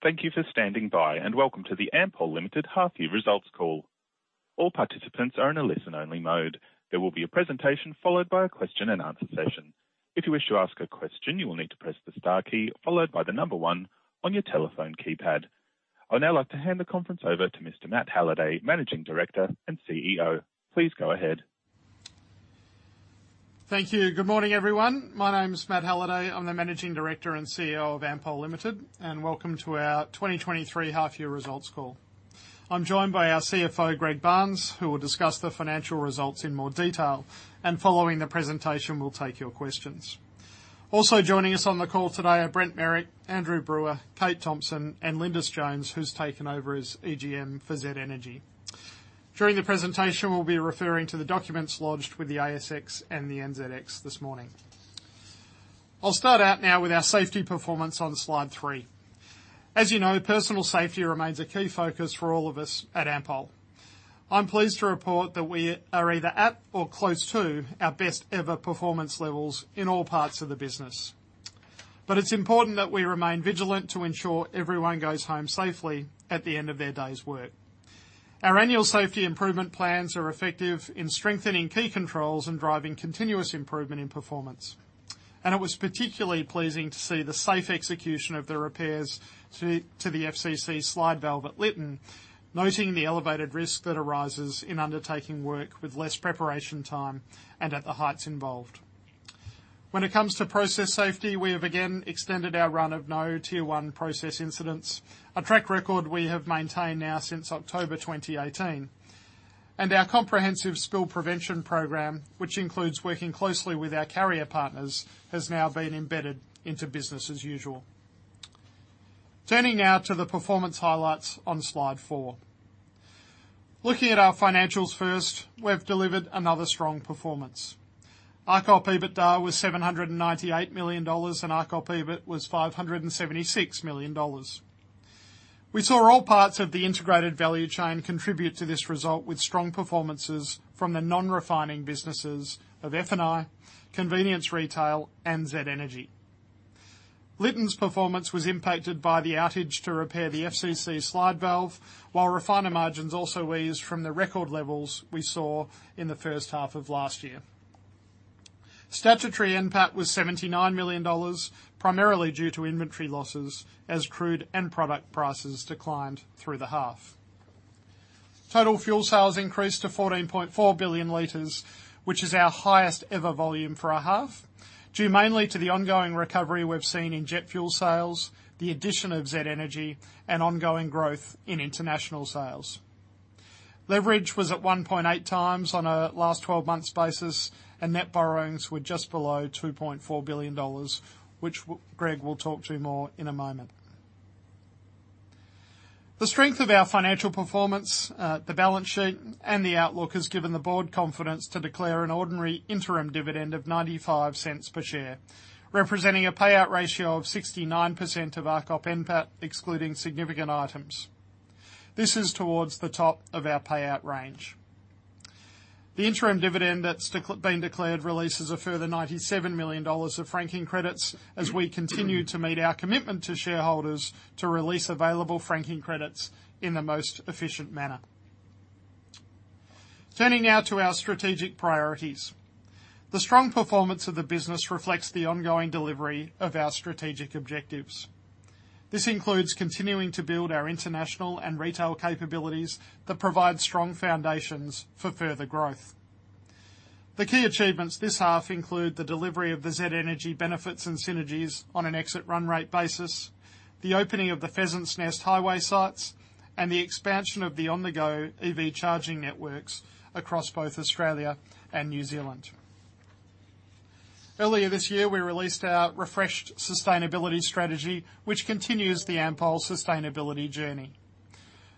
Thank you for standing by, and welcome to the Ampol Limited Half-Year Results Call. All participants are in a listen-only mode. There will be a presentation, followed by a question-and-answer session. If you wish to ask a question, you will need to press the star key, followed by the number one on your telephone keypad. I would now like to hand the conference over to Mr. Matt Halliday, Managing Director and CEO. Please go ahead. Thank you. Good morning, everyone. My name is Matt Halliday. I'm the Managing Director and CEO of Ampol Limited, and welcome to our 2023 Half-Year Results Call. I'm joined by our CFO, Greg Barnes, who will discuss the financial results in more detail, and following the presentation, we'll take your questions. Also joining us on the call today are Brent Merrick, Andrew Brewer, Kate Thomson, and Lindis Jones, who's taken over as EGM for Z Energy. During the presentation, we'll be referring to the documents lodged with the ASX and the NZX this morning. I'll start out now with our safety performance on Slide 3. As you know, personal safety remains a key focus for all of us at Ampol. I'm pleased to report that we are either at or close to our best-ever performance levels in all parts of the business. It's important that we remain vigilant to ensure everyone goes home safely at the end of their day's work. Our annual safety improvement plans are effective in strengthening key controls and driving continuous improvement in performance. It was particularly pleasing to see the safe execution of the repairs to the FCC slide valve at Lytton, noting the elevated risk that arises in undertaking work with less preparation time and at the heights involved. When it comes to process safety, we have again extended our run of no Tier 1 process incidents, a track record we have maintained now since October 2018. Our comprehensive spill prevention program, which includes working closely with our carrier partners, has now been embedded into business as usual. Turning now to the performance highlights on Slide 4. Looking at our financials first, we've delivered another strong performance. RCOP EBITDA was 798 million dollars, and RCOP EBIT was 576 million dollars. We saw all parts of the integrated value chain contribute to this result, with strong performances from the non-refining businesses of F&I, Convenience Retail, and Z Energy. Lytton's performance was impacted by the outage to repair the FCC slide valve, while refiner margins also eased from the record levels we saw in the H1 of last year. Statutory NPAT was 79 million dollars, primarily due to inventory losses as crude and product prices declined through the half. Total fuel sales increased to 14.4 billion liters, which is our highest-ever volume for a half, due mainly to the ongoing recovery we've seen in jet fuel sales, the addition of Z Energy, and ongoing growth in international sales. Leverage was at 1.8 times on a last 12 months basis, and net borrowings were just below 2.4 billion dollars, which Greg will talk to you more in a moment. The strength of our financial performance, the balance sheet and the outlook, has given the board confidence to declare an ordinary interim dividend of 0.95 per share, representing a payout ratio of 69% of RCOP NPAT, excluding significant items. This is towards the top of our payout range. The interim dividend that's been declared releases a further 97 million dollars of franking credits, as we continue to meet our commitment to shareholders to release available franking credits in the most efficient manner. Turning now to our strategic priorities. The strong performance of the business reflects the ongoing delivery of our strategic objectives. This includes continuing to build our international and retail capabilities that provide strong foundations for further growth. The key achievements this half include the delivery of the Z Energy benefits and synergies on an exit run rate basis, the opening of the Pheasants Nest highway sites, and the expansion of the on-the-go EV charging networks across both Australia and New Zealand. Earlier this year, we released our refreshed sustainability strategy, which continues the Ampol sustainability journey.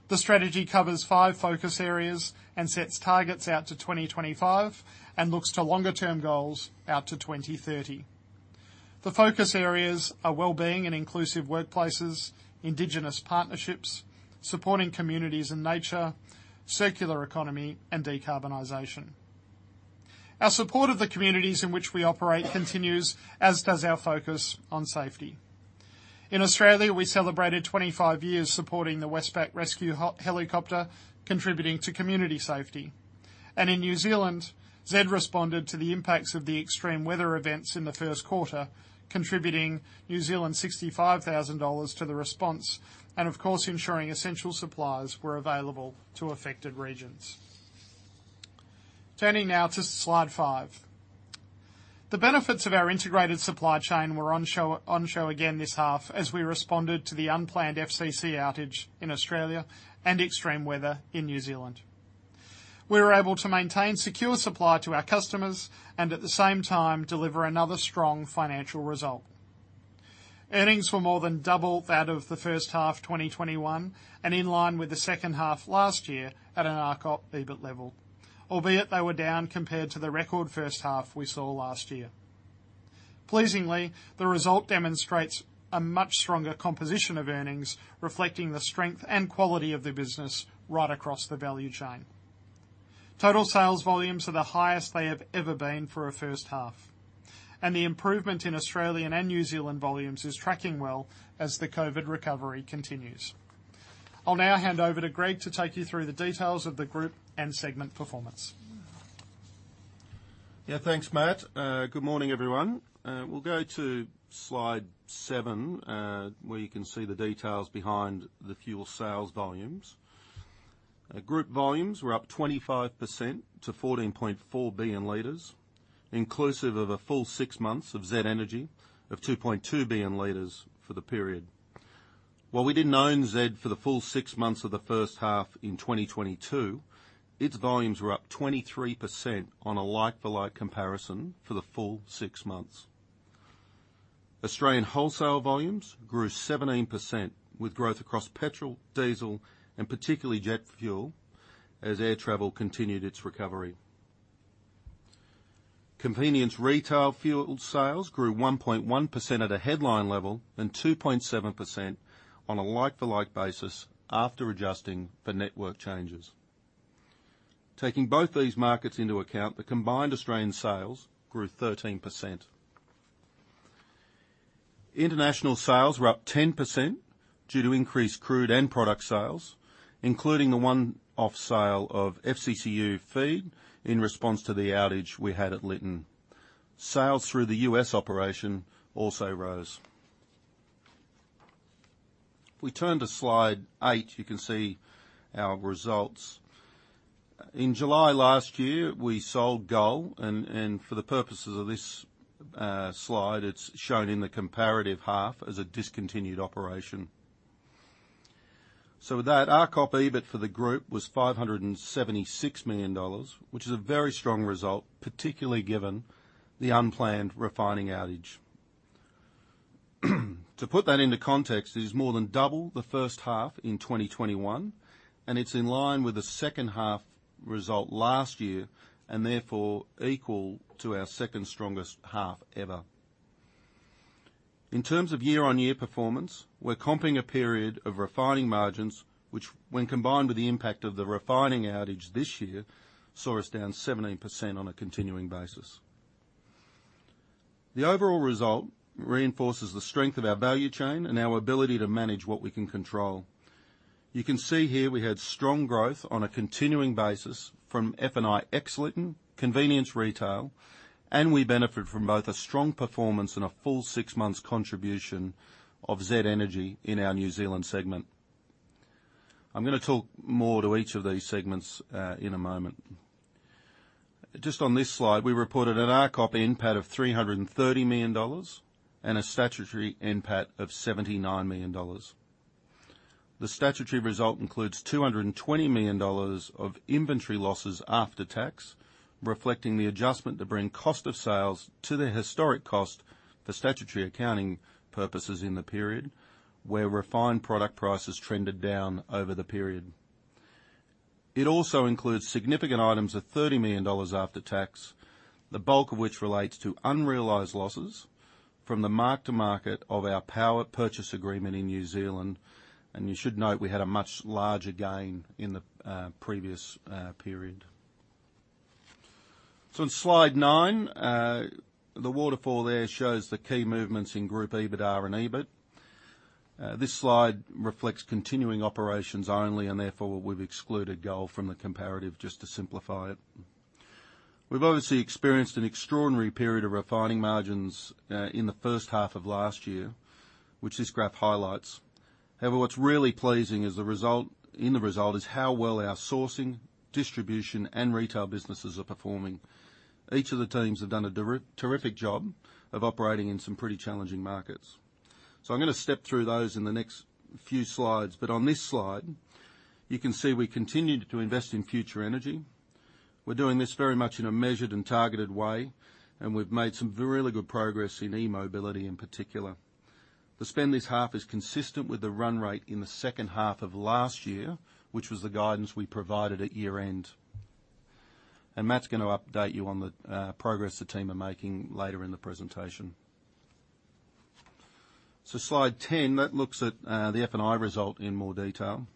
The strategy covers 5 focus areas and sets targets out to 2025 and looks to longer-term goals out to 2030. The focus areas are well-being and inclusive workplaces, Indigenous partnerships, supporting communities and nature, circular economy, and decarbonization. Our support of the communities in which we operate continues, as does our focus on safety. In Australia, we celebrated 25 years supporting the Westpac Rescue Helicopter, contributing to community safety. In New Zealand, Z responded to the impacts of the extreme weather events in the Q1, contributing 65,000 New Zealand dollars to the response and, of course, ensuring essential supplies were available to affected regions. Turning now to Slide 5. The benefits of our integrated supply chain were on show, on show again this half as we responded to the unplanned FCC outage in Australia and extreme weather in New Zealand. We were able to maintain secure supply to our customers and, at the same time, deliver another strong financial result. Earnings were more than double that of the H1 2021 and in line with the H2 last year at an RCOP EBIT level, albeit they were down compared to the record H1 we saw last year. Pleasingly, the result demonstrates a much stronger composition of earnings, reflecting the strength and quality of the business right across the value chain. Total sales volumes are the highest they have ever been for a H1. The improvement in Australian and New Zealand volumes is tracking well as the COVID recovery continues. I'll now hand over to Greg to take you through the details of the group and segment performance. Thanks, Matt. Good morning, everyone. We'll go to slide 7, where you can see the details behind the fuel sales volumes. Group volumes were up 25% to 14.4 billion liters, inclusive of a full 6 months of Z Energy of 2.2 billion liters for the period. While we didn't own Z for the full 6 months of the H1 in 2022, its volumes were up 23% on a like-for-like comparison for the full 6 months. Australian wholesale volumes grew 17%, with growth across petrol, diesel, and particularly jet fuel, as air travel continued its recovery. Convenience Retail fuel sales grew 1.1% at a headline level, and 2.7% on a like-for-like basis, after adjusting for network changes. Taking both these markets into account, the combined Australian sales grew 13%. International sales were up 10% due to increased crude and product sales, including the one-off sale of FCCU feed in response to the outage we had at Lytton. Sales through the US operation also rose. We turn to slide 8, you can see our results. In July last year, we sold Gull, for the purposes of this slide, it's shown in the comparative half as a discontinued operation. With that, our RCOP EBIT for the group was 576 million dollars, which is a very strong result, particularly given the unplanned refining outage. To put that into context, it is more than double the H1 in 2021, and it's in line with the H2 result last year, and therefore equal to our second strongest half ever. In terms of year-on-year performance, we're comping a period of refining margins, which, when combined with the impact of the refining outage this year, saw us down 17% on a continuing basis. The overall result reinforces the strength of our value chain and our ability to manage what we can control. You can see here we had strong growth on a continuing basis from F&I ex Lytton, Convenience Retail, and we benefit from both a strong performance and a full six months contribution of Z Energy in our New Zealand segment. I'm gonna talk more to each of these segments in a moment. Just on this slide, we reported an RCOP NPAT of 330 million dollars, and a statutory NPAT of 79 million dollars. The statutory result includes 220 million dollars of inventory losses after tax, reflecting the adjustment to bring cost of sales to their historic cost for statutory accounting purposes in the period, where refined product prices trended down over the period. It also includes significant items of 30 million dollars after tax, the bulk of which relates to unrealized losses from the mark to market of our power purchase agreement in New Zealand, and you should note, we had a much larger gain in the previous period. On slide 9, the waterfall there shows the key movements in group EBITDAR and EBIT. This slide reflects continuing operations only, and therefore, we've excluded Gull from the comparative just to simplify it. We've obviously experienced an extraordinary period of refining margins in the H1 of last year, which this graph highlights. However, what's really pleasing is the result is how well our sourcing, distribution, and retail businesses are performing. Each of the teams have done a terrific job of operating in some pretty challenging markets. I'm gonna step through those in the next few slides, but on this slide, you can see we continued to invest in future energy. We're doing this very much in a measured and targeted way, and we've made some really good progress in eMobility in particular. The spend this half is consistent with the run rate in the H2 of last year, which was the guidance we provided at year end. Matt's gonna update you on the progress the team are making later in the presentation. Slide 10, that looks at the F&I result in more detail.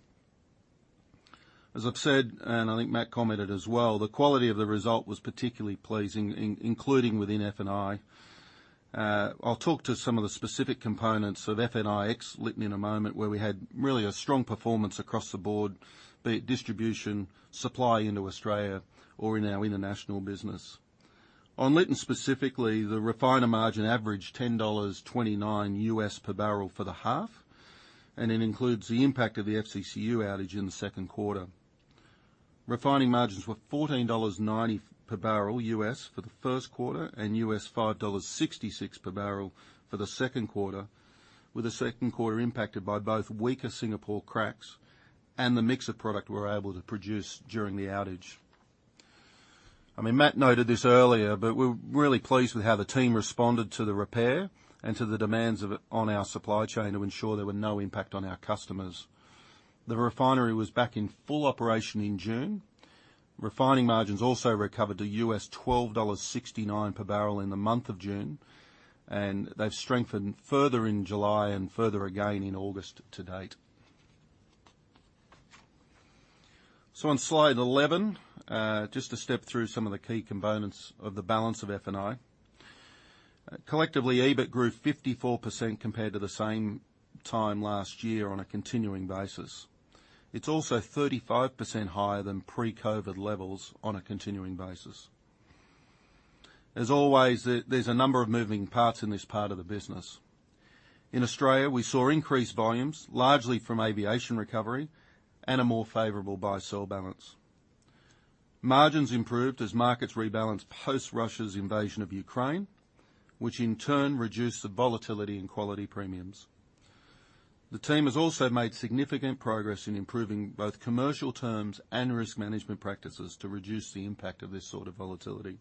As I've said, and I think Matt commented as well, the quality of the result was particularly pleasing, in- including within F&I. I'll talk to some of the specific components of F&I Lytton in a moment, where we had really a strong performance across the board, be it distribution, supply into Australia, or in our international business. On Lytton, specifically, the refiner margin averaged $10.29 US per barrel for the half, and it includes the impact of the FCCU outage in the Q2. Refining margins were $14.90 per barrel US for the Q1, and US $5.66 per barrel for the Q2, with the Q2 impacted by both weaker Singapore cracks and the mix of product we were able to produce during the outage. I mean, Matt noted this earlier, but we're really pleased with how the team responded to the repair and to the demands of it on our supply chain to ensure there were no impact on our customers. The refinery was back in full operation in June. Refining margins also recovered to US $12.69 per barrel in the month of June. They've strengthened further in July and further again in August to date. On slide 11, just to step through some of the key components of the balance of F&I. Collectively, EBIT grew 54% compared to the same time last year on a continuing basis. It's also 35% higher than pre-COVID levels on a continuing basis. As always, there, there's a number of moving parts in this part of the business. In Australia, we saw increased volumes, largely from aviation recovery and a more favorable buy-sell balance. Margins improved as markets rebalanced post-Russia's invasion of Ukraine, which in turn reduced the volatility in quality premiums. The team has also made significant progress in improving both commercial terms and risk management practices to reduce the impact of this sort of volatility.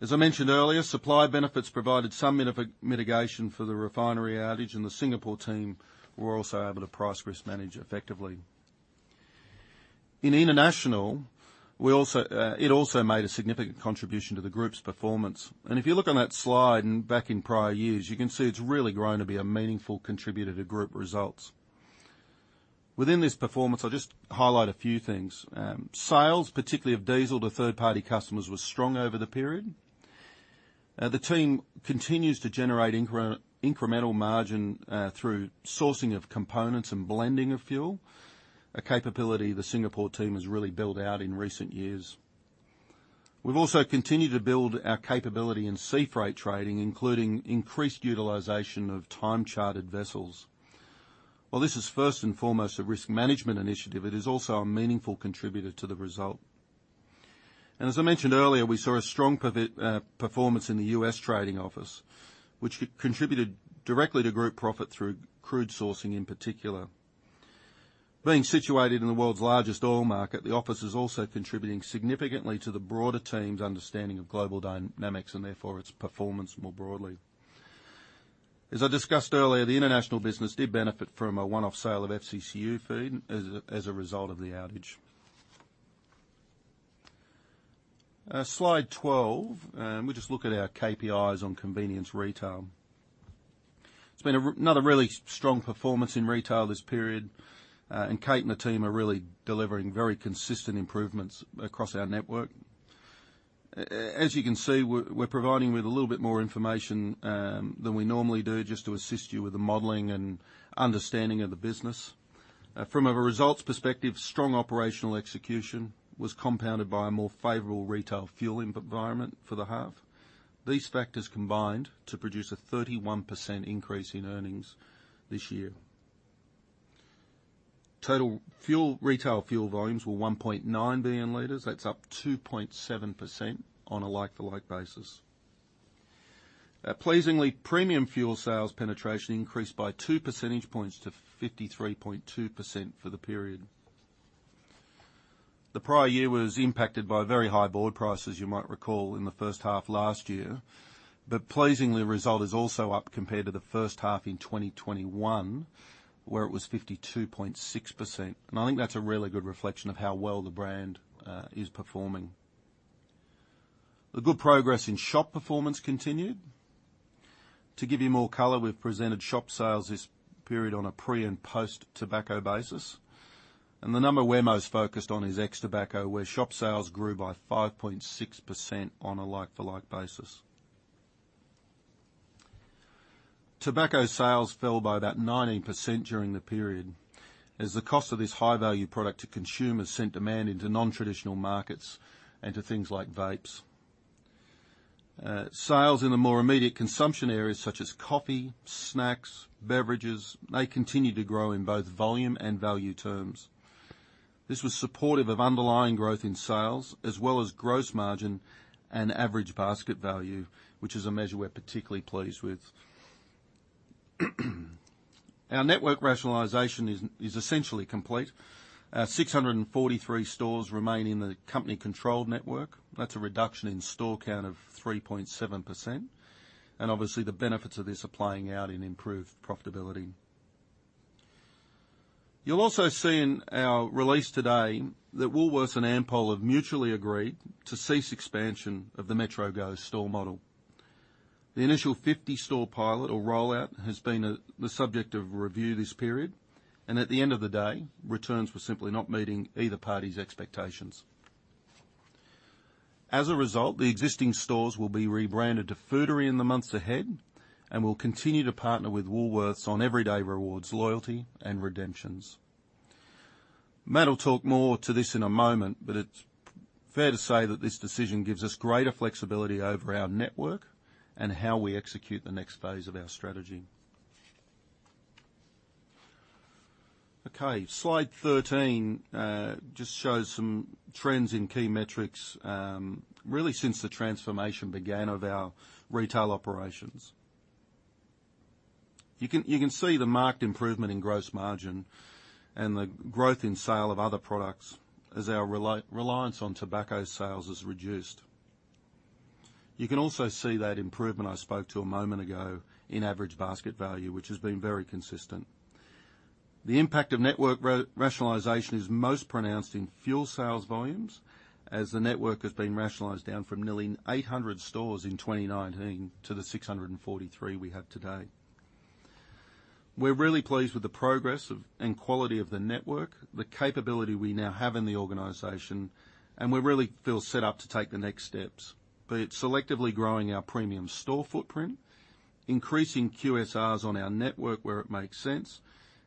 As I mentioned earlier, supply benefits provided some mitigation for the refinery outage, and the Singapore team were also able to price risk manage effectively. In international, it also made a significant contribution to the group's performance. If you look on that slide, and back in prior years, you can see it's really grown to be a meaningful contributor to group results. Within this performance, I'll just highlight a few things. Sales, particularly of diesel to third-party customers, was strong over the period. The team continues to generate incremental margin through sourcing of components and blending of fuel, a capability the Singapore team has really built out in recent years. We've also continued to build our capability in sea freight trading, including increased utilization of time-chartered vessels. While this is first and foremost a risk management initiative, it is also a meaningful contributor to the result. As I mentioned earlier, we saw a strong performance in the US trading office, which contributed directly to group profit through crude sourcing in particular. Being situated in the world's largest oil market, the office is also contributing significantly to the broader team's understanding of global dynamics, and therefore its performance more broadly. As I discussed earlier, the international business did benefit from a one-off sale of FCCU feed as a result of the outage. Slide 12, we'll just look at our KPIs on Convenience Retail. It's been another really strong performance in retail this period. Kate and the team are really delivering very consistent improvements across our network. As you can see, we're providing you with a little bit more information than we normally do, just to assist you with the modeling and understanding of the business. From a results perspective, strong operational execution was compounded by a more favorable retail fuel environment for the half. These factors combined to produce a 31% increase in earnings this year. Total fuel, retail fuel volumes were 1.9 billion liters. That's up 2.7% on a like-to-like basis. Pleasingly, premium fuel sales penetration increased by 2 percentage points to 53.2% for the period. The prior year was impacted by very high board prices, you might recall, in the H1 last year, pleasingly, the result is also up compared to the H1 in 2021, where it was 52.6%, and I think that's a really good reflection of how well the brand is performing. The good progress in shop performance continued. To give you more color, we've presented shop sales this period on a pre- and post-tobacco basis, and the number we're most focused on is ex-tobacco, where shop sales grew by 5.6% on a like-for-like basis. Tobacco sales fell by about 19% during the period, as the cost of this high-value product to consumers sent demand into non-traditional markets and to things like vapes. Sales in the more immediate consumption areas, such as coffee, snacks, beverages, they continued to grow in both volume and value terms. This was supportive of underlying growth in sales, as well as gross margin and average basket value, which is a measure we're particularly pleased with. Our network rationalization is essentially complete. 643 stores remain in the company-controlled network. That's a reduction in store count of 3.7%. Obviously, the benefits of this are playing out in improved profitability. You'll also see in our release today that Woolworths and Ampol have mutually agreed to cease expansion of the MetroGo store model. The initial 50-store pilot or rollout has been the subject of review this period. At the end of the day, returns were simply not meeting either party's expectations. As a result, the existing stores will be rebranded to Foodary in the months ahead. We'll continue to partner with Woolworths on Everyday Rewards, loyalty, and redemptions. Matt will talk more to this in a moment. It's fair to say that this decision gives us greater flexibility over our network and how we execute the next phase of our strategy. Slide 13 just shows some trends in key metrics, really since the transformation began of our retail operations. You can, you can see the marked improvement in gross margin and the growth in sale of other products as our reliance on tobacco sales is reduced. You can also see that improvement I spoke to a moment ago in average basket value, which has been very consistent. The impact of network rationalization is most pronounced in fuel sales volumes, as the network has been rationalized down from nearly 800 stores in 2019 to the 643 we have today. We're really pleased with the progress of, and quality of the network, the capability we now have in the organization, and we really feel set up to take the next steps. Be it selectively growing our premium store footprint, increasing QSRs on our network where it makes sense,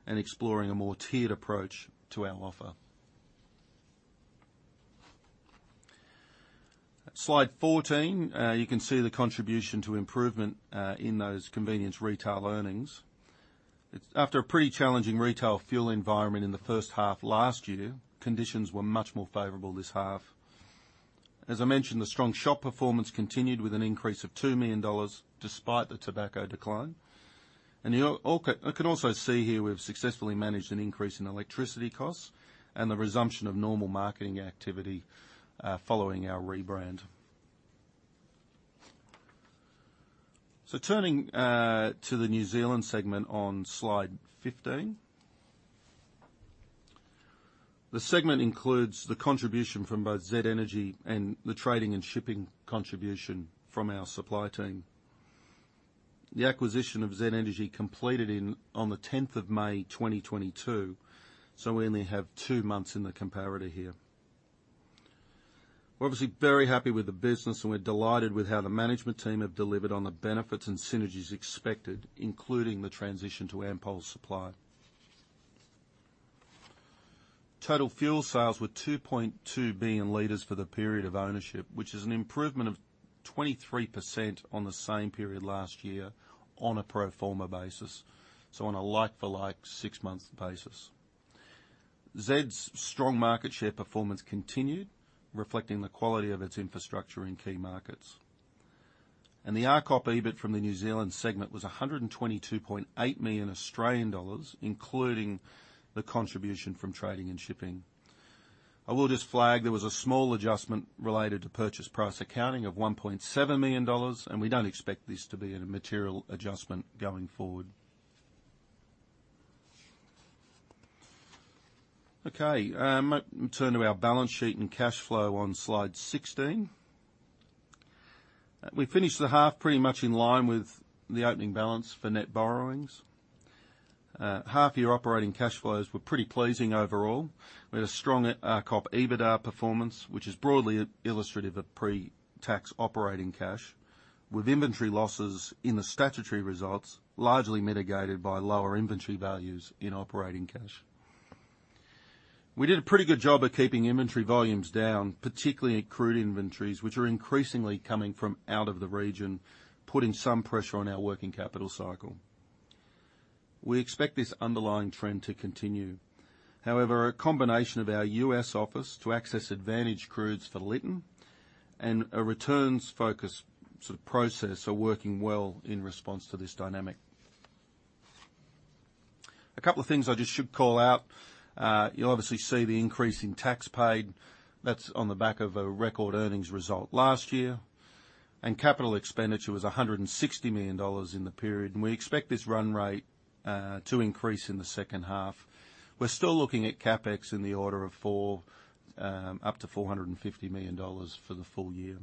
and exploring a more tiered approach to our offer. Slide 14, you can see the contribution to improvement in those Convenience Retail earnings. It's, after a pretty challenging retail fuel environment in the H1 last year, conditions were much more favorable this half. As I mentioned, the strong shop performance continued with an increase of 2 million dollars, despite the tobacco decline. You can also see here, we've successfully managed an increase in electricity costs and the resumption of normal marketing activity following our rebrand. Turning to the New Zealand segment on slide 15. The segment includes the contribution from both Z Energy and the trading and shipping contribution from our supply team. The acquisition of Z Energy completed in, on the tenth of May, 2022, so we only have 2 months in the comparator here. We're obviously very happy with the business, and we're delighted with how the management team have delivered on the benefits and synergies expected, including the transition to Ampol supply. Total fuel sales were 2.2 billion liters for the period of ownership, which is an improvement of 23% on the same period last year on a pro forma basis, so on a like-for-like six-month basis. Z's strong market share performance continued, reflecting the quality of its infrastructure in key markets. The RCOP EBIT from the New Zealand segment was 122.8 million Australian dollars, including the contribution from trading and shipping. I will just flag, there was a small adjustment related to purchase price accounting of 1.7 million dollars, and we don't expect this to be a material adjustment going forward. Okay, turn to our balance sheet and cash flow on slide 16. We finished the half pretty much in line with the opening balance for net borrowings. Half year operating cash flows were pretty pleasing overall. We had a strong RCOP EBITDA performance, which is broadly illustrative of pre-tax operating cash, with inventory losses in the statutory results largely mitigated by lower inventory values in operating cash. We did a pretty good job of keeping inventory volumes down, particularly in crude inventories, which are increasingly coming from out of the region, putting some pressure on our working capital cycle. We expect this underlying trend to continue. However, a combination of our US office to access advantage crudes for Lytton, and a returns focus sort of process are working well in response to this dynamic. A couple of things I just should call out. You'll obviously see the increase in tax paid. That's on the back of a record earnings result last year. CapEx was 160 million dollars in the period, and we expect this run rate to increase in the H2. We're still looking at CapEx in the order of 450 million dollars for the full year.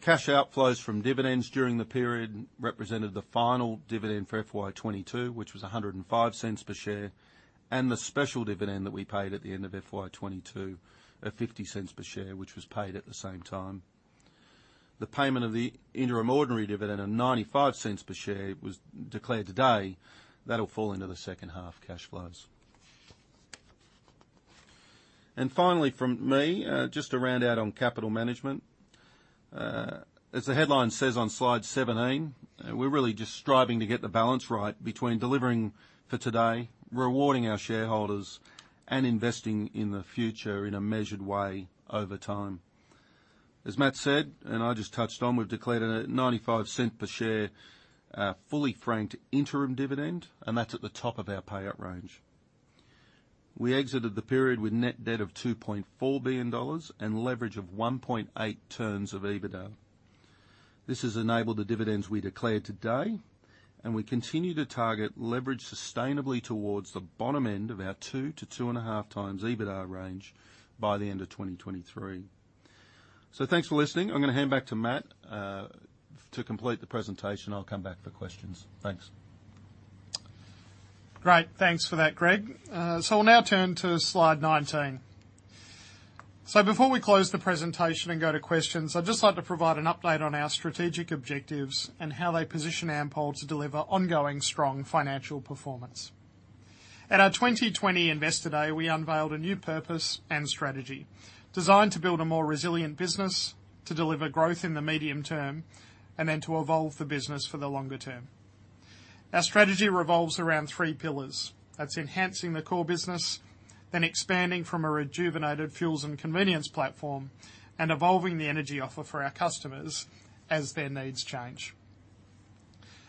Cash outflows from dividends during the period represented the final dividend for FY22, which was 1.05 per share, and the special dividend that we paid at the end of FY22, at 0.50 per share, which was paid at the same time. The payment of the interim ordinary dividend of 0.95 per share was declared today. That'll fall into the H2 cash flows. Finally, from me, just to round out on capital management. As the headline says on slide 17, we're really just striving to get the balance right between delivering for today, rewarding our shareholders, and investing in the future in a measured way over time. As Matt said, and I just touched on, we've declared an 0.95 per share, fully franked interim dividend, and that's at the top of our payout range. We exited the period with net debt of 2.4 billion dollars, and leverage of 1.8x of EBITDA. This has enabled the dividends we declared today, and we continue to target leverage sustainably towards the bottom end of our 2x-2.5x EBITDA range by the end of 2023. Thanks for listening. I'm gonna hand back to Matt to complete the presentation. I'll come back for questions. Thanks. Great. Thanks for that, Greg. We'll now turn to slide 19. Before we close the presentation and go to questions, I'd just like to provide an update on our strategic objectives and how they position Ampol to deliver ongoing strong financial performance. At our 2020 Investor Day, we unveiled a new purpose and strategy designed to build a more resilient business, to deliver growth in the medium term, and then to evolve the business for the longer term. Our strategy revolves around three pillars. That's enhancing the core business, then expanding from a rejuvenated fuels and convenience platform, and evolving the energy offer for our customers as their needs change.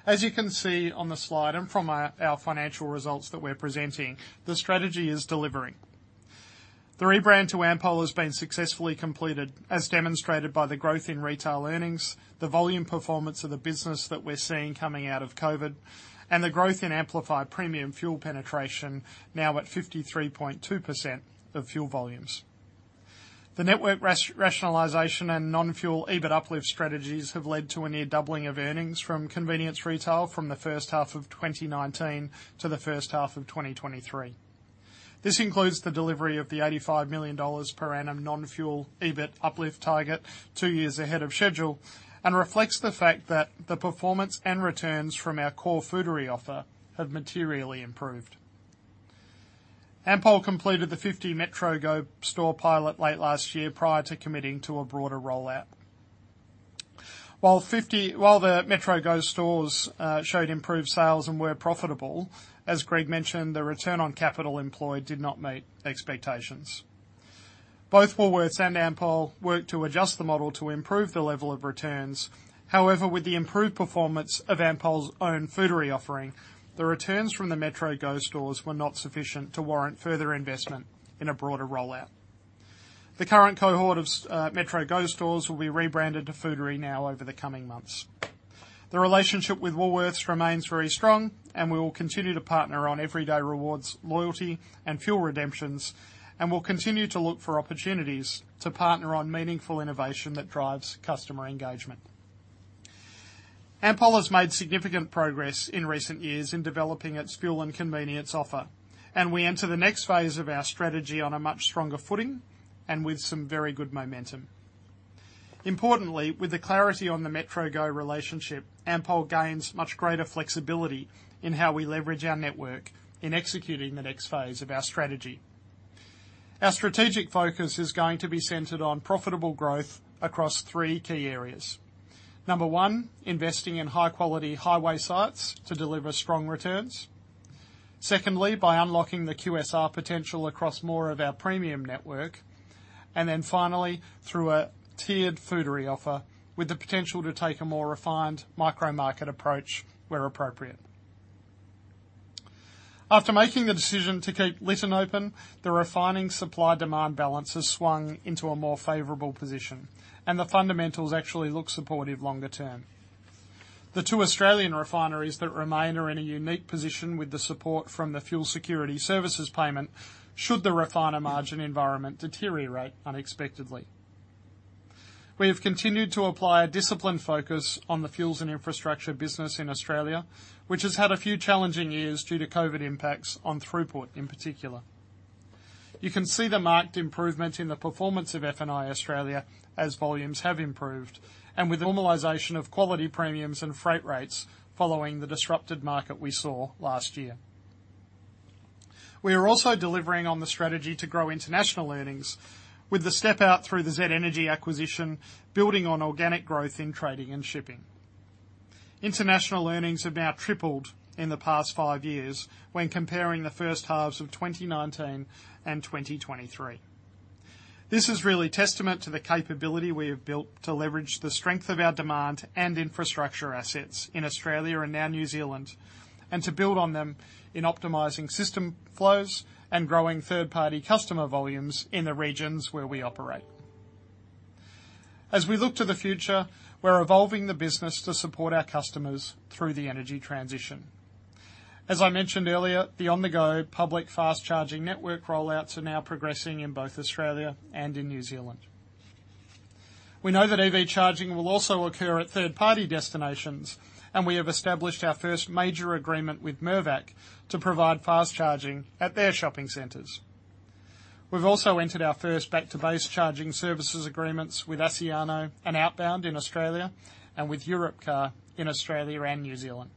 As you can see on the slide, and from our, our financial results that we're presenting, the strategy is delivering. The rebrand to Ampol has been successfully completed, as demonstrated by the growth in retail earnings, the volume performance of the business that we're seeing coming out of COVID, and the growth in Amplify premium fuel penetration, now at 53.2% of fuel volumes. The network rationalization and non-fuel EBIT uplift strategies have led to a near doubling of earnings from Convenience Retail from the H1 of 2019 to the H1 of 2023. This includes the delivery of the 85 million dollars per annum non-fuel EBIT uplift target two years ahead of schedule, reflects the fact that the performance and returns from our core Foodary offer have materially improved. Ampol completed the 50 MetroGo store pilot late last year, prior to committing to a broader rollout. While the MetroGo stores showed improved sales and were profitable, as Greg mentioned, the return on capital employed did not meet expectations. Both Woolworths and Ampol worked to adjust the model to improve the level of returns. However, with the improved performance of Ampol's own Foodary offering, the returns from the MetroGo stores were not sufficient to warrant further investment in a broader rollout. The current cohort of MetroGo stores will be rebranded to Foodary now over the coming months. The relationship with Woolworths remains very strong, and we will continue to partner on Everyday Rewards, loyalty, and fuel redemptions, and we'll continue to look for opportunities to partner on meaningful innovation that drives customer engagement. Ampol has made significant progress in recent years in developing its fuel and convenience offer, and we enter the next phase of our strategy on a much stronger footing and with some very good momentum. Importantly, with the clarity on the MetroGo relationship, Ampol gains much greater flexibility in how we leverage our network in executing the next phase of our strategy. Our strategic focus is going to be centered on profitable growth across 3 key areas. Number one, investing in high-quality highway sites to deliver strong returns. Secondly, by unlocking the QSR potential across more of our premium network. Then finally, through a tiered Foodary offer, with the potential to take a more refined micro-market approach where appropriate. After making the decision to keep Lytton open, the refining supply-demand balance has swung into a more favorable position, and the fundamentals actually look supportive longer term. The two Australian refineries that remain are in a unique position with the support from the Fuel Security Services Payment, should the refiner margin environment deteriorate unexpectedly. We have continued to apply a disciplined focus on the fuels and infrastructure business in Australia, which has had a few challenging years due to COVID impacts on throughput in particular. You can see the marked improvement in the performance of F&I Australia as volumes have improved, with the normalization of quality premiums and freight rates following the disrupted market we saw last year. We are also delivering on the strategy to grow international earnings, with the step-out through the Z Energy acquisition, building on organic growth in trading and shipping. International earnings have now tripled in the past five years when comparing the first halves of 2019 and 2023. This is really testament to the capability we have built to leverage the strength of our demand and infrastructure assets in Australia and now New Zealand, and to build on them in optimizing system flows and growing third-party customer volumes in the regions where we operate. As we look to the future, we're evolving the business to support our customers through the energy transition. As I mentioned earlier, the on-the-go public fast charging network rollouts are now progressing in both Australia and in New Zealand. We know that EV charging will also occur at third-party destinations, and we have established our first major agreement with Mirvac to provide fast charging at their shopping centers. We've also entered our first back-to-base charging services agreements with Aciano and Outbound in Australia and with Europcar in Australia and New Zealand.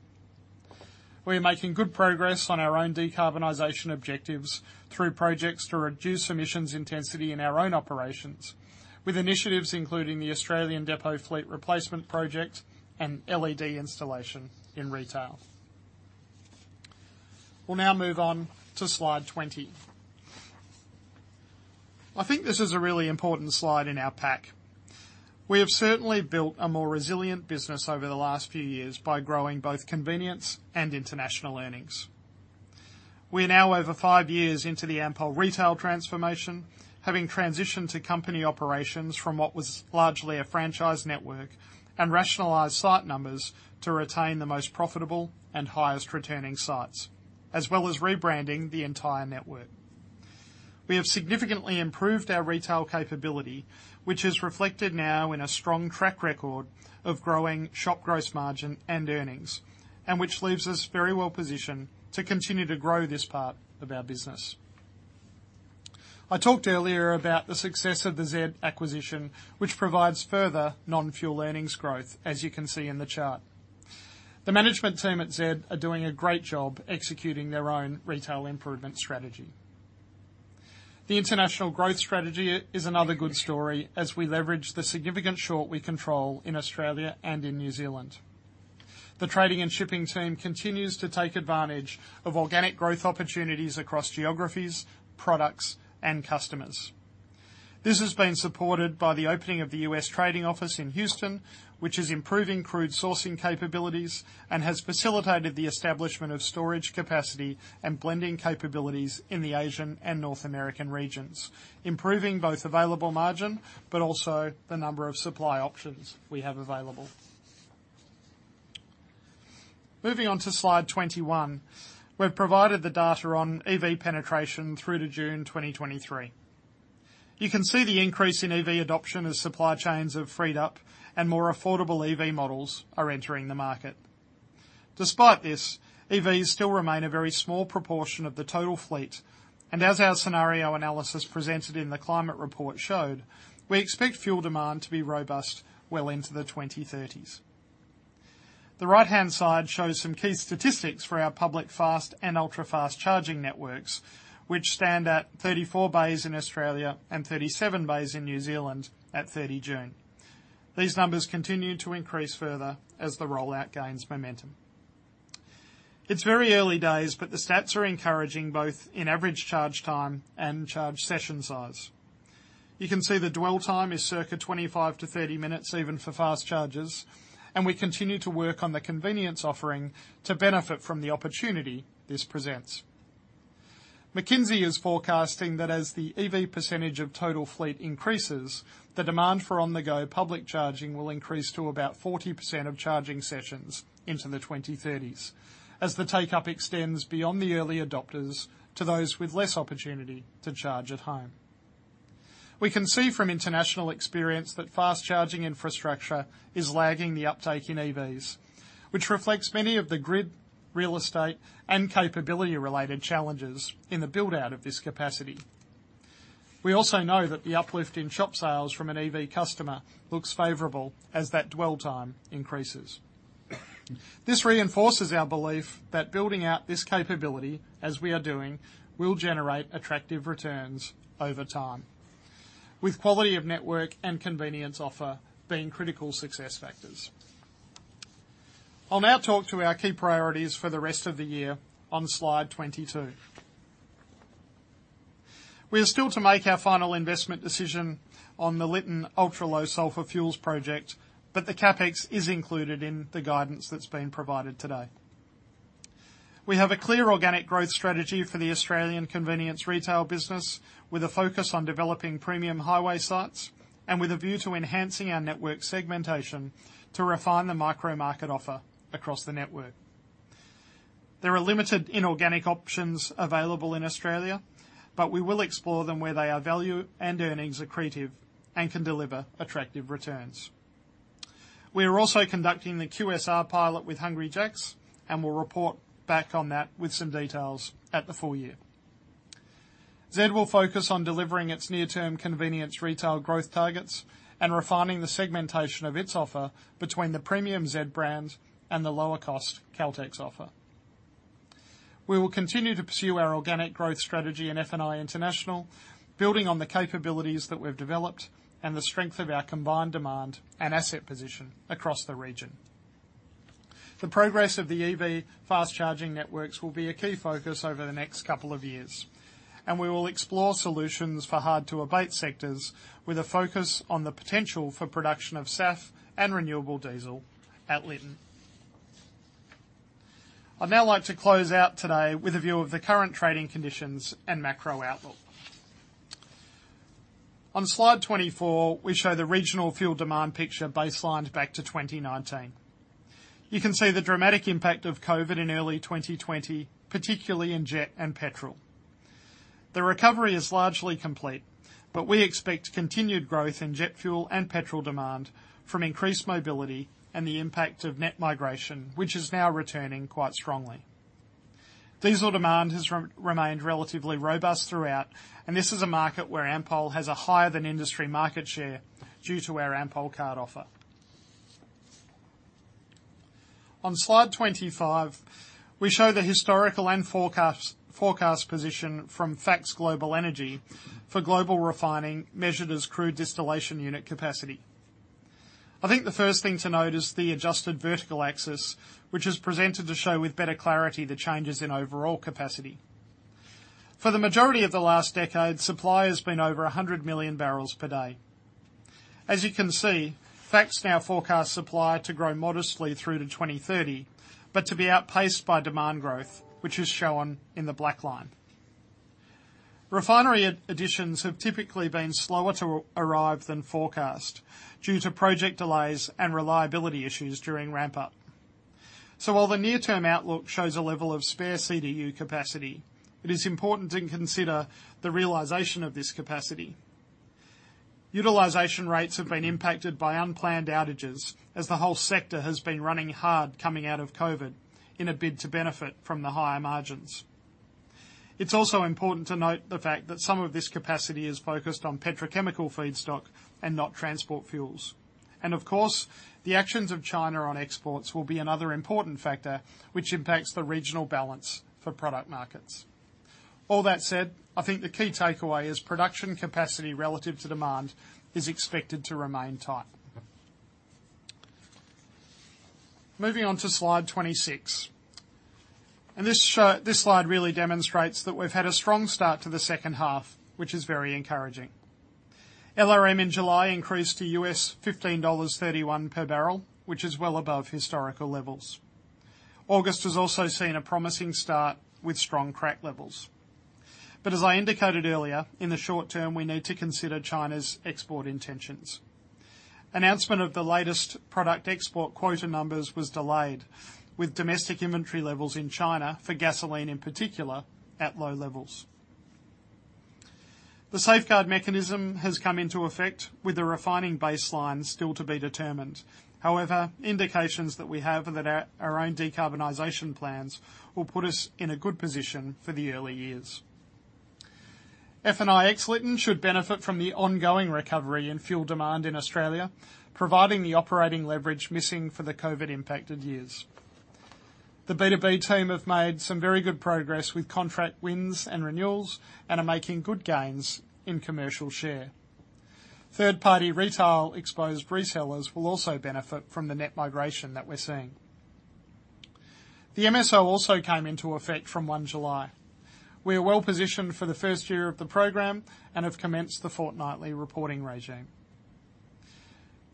We are making good progress on our own decarbonization objectives through projects to reduce emissions intensity in our own operations, with initiatives including the Australian Depot Fleet Replacement project and LED installation in retail. We'll now move on to slide 20. I think this is a really important slide in our pack. We have certainly built a more resilient business over the last few years by growing both convenience and international earnings. We are now over five years into the Ampol retail transformation, having transitioned to company operations from what was largely a franchise network, and rationalized site numbers to retain the most profitable and highest returning sites, as well as rebranding the entire network. We have significantly improved our retail capability, which is reflected now in a strong track record of growing shop gross margin and earnings, and which leaves us very well positioned to continue to grow this part of our business. I talked earlier about the success of the Z acquisition, which provides further non-fuel earnings growth, as you can see in the chart. The management team at Z are doing a great job executing their own retail improvement strategy. The international growth strategy is another good story as we leverage the significant short we control in Australia and in New Zealand. The trading and shipping team continues to take advantage of organic growth opportunities across geographies, products, and customers. This has been supported by the opening of the US trading office in Houston, which is improving crude sourcing capabilities and has facilitated the establishment of storage capacity and blending capabilities in the Asian and North American regions, improving both available margin but also the number of supply options we have available. Moving on to slide 21. We've provided the data on EV penetration through to June 2023. You can see the increase in EV adoption as supply chains have freed up and more affordable EV models are entering the market. Despite this, EVs still remain a very small proportion of the total fleet, and as our scenario analysis presented in the climate report showed, we expect fuel demand to be robust well into the 2030s. The right-hand side shows some key statistics for our public, fast, and ultra-fast charging networks, which stand at 34 bays in Australia and 37 bays in New Zealand at 30 June. These numbers continue to increase further as the rollout gains momentum. It's very early days, but the stats are encouraging, both in average charge time and charge session size. You can see the dwell time is circa 25-30 minutes even for fast charges, and we continue to work on the convenience offering to benefit from the opportunity this presents. McKinsey is forecasting that as the EV percentage of total fleet increases, the demand for on-the-go public charging will increase to about 40% of charging sessions into the 2030s, as the take-up extends beyond the early adopters to those with less opportunity to charge at home. We can see from international experience that fast charging infrastructure is lagging the uptake in EVs, which reflects many of the grid, real estate, and capability-related challenges in the build-out of this capacity. We also know that the uplift in shop sales from an EV customer looks favorable as that dwell time increases. This reinforces our belief that building out this capability, as we are doing, will generate attractive returns over time, with quality of network and convenience offer being critical success factors. I'll now talk to our key priorities for the rest of the year on slide 22. We are still to make our final investment decision on the Lytton Ultra-Low Sulphur Fuels project, but the CapEx is included in the guidance that's been provided today. We have a clear organic growth strategy for the Australian Convenience Retail business, with a focus on developing premium highway sites and with a view to enhancing our network segmentation to refine the micro market offer across the network. There are limited inorganic options available in Australia, but we will explore them where they are value and earnings accretive and can deliver attractive returns. We are also conducting the QSR pilot with Hungry Jack's. We'll report back on that with some details at the full year. Z will focus on delivering its near-term Convenience Retail growth targets and refining the segmentation of its offer between the premium Z brand and the lower-cost Caltex offer. We will continue to pursue our organic growth strategy in F&I International, building on the capabilities that we've developed and the strength of our combined demand and asset position across the region. The progress of the EV fast charging networks will be a key focus over the next couple of years, and we will explore solutions for hard-to-abate sectors, with a focus on the potential for production of SAF and renewable diesel at Lytton. I'd now like to close out today with a view of the current trading conditions and macro outlook. On slide 24, we show the regional fuel demand picture baselined back to 2019. You can see the dramatic impact of COVID in early 2020, particularly in jet and petrol. The recovery is largely complete, but we expect continued growth in jet fuel and petrol demand from increased mobility and the impact of net migration, which is now returning quite strongly. Diesel demand has remained relatively robust throughout, and this is a market where Ampol has a higher-than-industry market share due to our AmpolCard offer. On slide 25, we show the historical and forecast, forecast position from FACTS Global Energy for global refining, measured as crude distillation unit capacity. I think the first thing to note is the adjusted vertical axis, which is presented to show with better clarity the changes in overall capacity. For the majority of the last decade, supply has been over 100 million barrels per day. As you can see, FACTS now forecasts supply to grow modestly through to 2030, but to be outpaced by demand growth, which is shown in the black line. Refinery additions have typically been slower to arrive than forecast due to project delays and reliability issues during ramp-up. While the near-term outlook shows a level of spare CDU capacity, it is important to consider the realization of this capacity. Utilization rates have been impacted by unplanned outages as the whole sector has been running hard coming out of COVID in a bid to benefit from the higher margins. It's also important to note the fact that some of this capacity is focused on petrochemical feedstock and not transport fuels. Of course, the actions of China on exports will be another important factor, which impacts the regional balance for product markets. All that said, I think the key takeaway is production capacity relative to demand is expected to remain tight. Moving on to slide 26. This slide really demonstrates that we've had a strong start to the H2, which is very encouraging. LRM in July increased to $15.31 per barrel, which is well above historical levels. August has also seen a promising start with strong crack levels. As I indicated earlier, in the short term, we need to consider China's export intentions. Announcement of the latest product export quota numbers was delayed, with domestic inventory levels in China, for gasoline in particular, at low levels. The Safeguard Mechanism has come into effect, with the refining baseline still to be determined. However, indications that we have that our, our own decarbonization plans will put us in a good position for the early years. F&I Lytton should benefit from the ongoing recovery in fuel demand in Australia, providing the operating leverage missing for the COVID-impacted years. The B2B team have made some very good progress with contract wins and renewals and are making good gains in commercial share. Third-party retail exposed resellers will also benefit from the net migration that we're seeing. The MSO also came into effect from 1 July. We are well positioned for the first year of the program and have commenced the fortnightly reporting regime.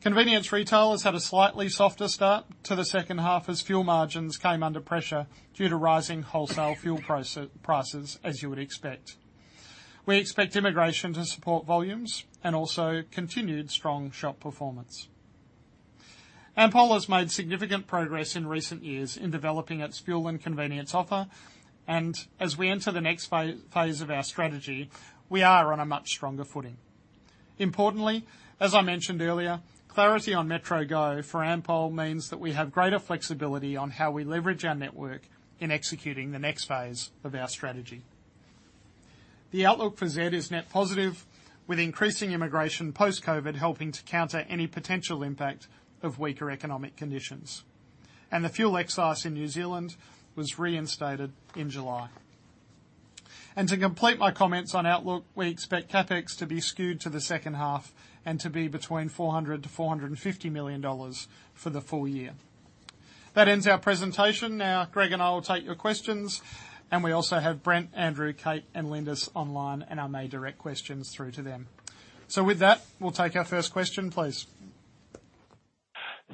Convenience Retail has had a slightly softer start to the H2, as fuel margins came under pressure due to rising wholesale fuel price, prices, as you would expect. We expect immigration to support volumes and also continued strong shop performance. Ampol has made significant progress in recent years in developing its fuel and convenience offer, and as we enter the next phase of our strategy, we are on a much stronger footing. Importantly, as I mentioned earlier, clarity on MetroGo for Ampol means that we have greater flexibility on how we leverage our network in executing the next phase of our strategy. The outlook for Z Energy is net positive, with increasing immigration post-COVID, helping to counter any potential impact of weaker economic conditions, the fuel excise in New Zealand was reinstated in July. To complete my comments on outlook, we expect CapEx to be skewed to the H2 and to be between 400 million-450 million dollars for the full year. That ends our presentation. Now, Greg Barnes and I will take your questions, and we also have Brent Merrick, Andrew Brewer, Kate Thomson, and Lindis online, and I may direct questions through to them. With that, we'll take our first question, please.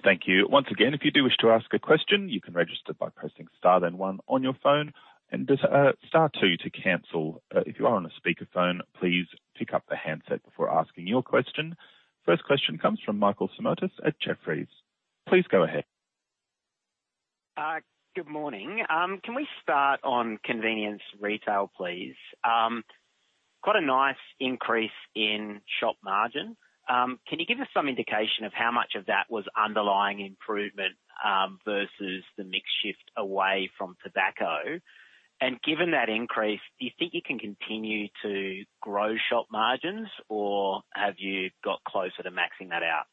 Thank you. Once again, if you do wish to ask a question, you can register by pressing star then one on your phone, and just star two to cancel. If you are on a speakerphone, please pick up the handset before asking your question. First question comes from Michael Simotas at Jefferies. Please go ahead. Good morning. Can we start on Convenience Retail, please? Quite a nice increase in shop margin. Can you give us some indication of how much of that was underlying improvement versus the mix shift away from tobacco? Given that increase, do you think you can continue to grow shop margins, or have you got closer to maxing that out?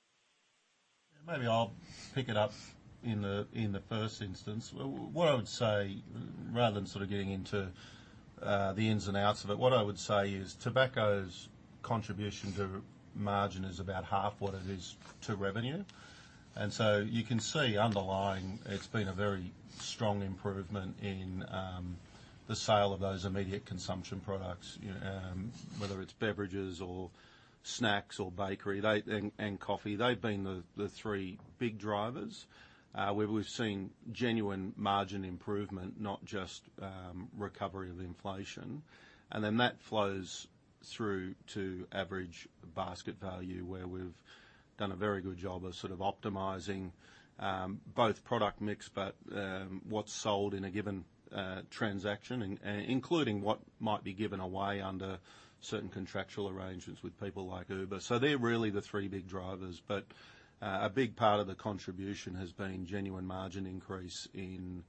Maybe I'll pick it up in the, in the first instance. What I would say, rather than sort of getting into the ins and outs of it, what I would say is tobacco's contribution to margin is about half what it is to revenue. You can see underlying, it's been a very strong improvement in the sale of those immediate consumption products, whether it's beverages or snacks or bakery. And coffee. They've been the, the three big drivers. Where we've seen genuine margin improvement, not just recovery of inflation. That flows through to average basket value, where we've done a very good job of sort of optimizing both product mix, but what's sold in a given transaction, including what might be given away under certain contractual arrangements with people like Uber. They're really the three big drivers, but a big part of the contribution has been genuine margin increase in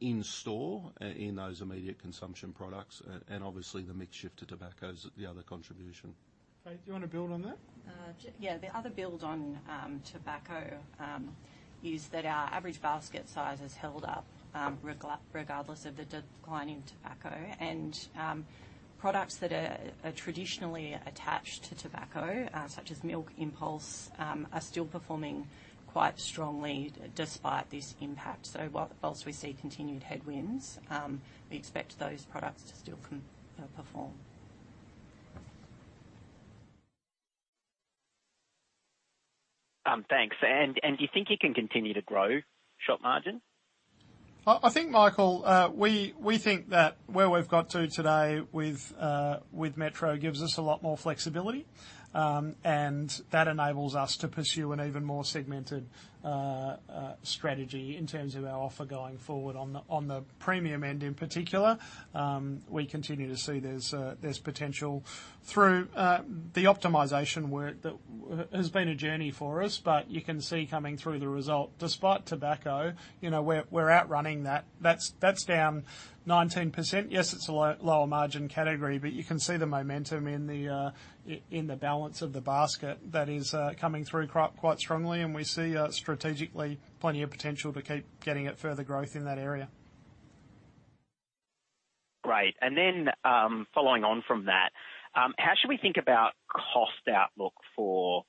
in-store, in those immediate consumption products, and obviously, the mix shift to tobacco is the other contribution. Kate Thomson, do you want to build on that? Yeah. The other build on tobacco is that our average basket size has held up regardless of the decline in tobacco. Products that are traditionally attached to tobacco, such as milk impulse, are still performing quite strongly despite this impact. Whilst we see continued headwinds, we expect those products to still perform. Thanks. Do you think you can continue to grow shop margin? I think, Michael, we, we think that where we've got to today with Metro gives us a lot more flexibility, that enables us to pursue an even more segmented strategy in terms of our offer going forward. On the, on the premium end, in particular, we continue to see there's potential through the optimization work that has been a journey for us, but you can see coming through the result, despite tobacco, you know, we're, we're outrunning that. That's, that's down 19%. Yes, it's a lower margin category, but you can see the momentum in the balance of the basket that is coming through quite strongly, we see strategically plenty of potential to keep getting at further growth in that area. Great. Following on from that, how should we think about cost outlook for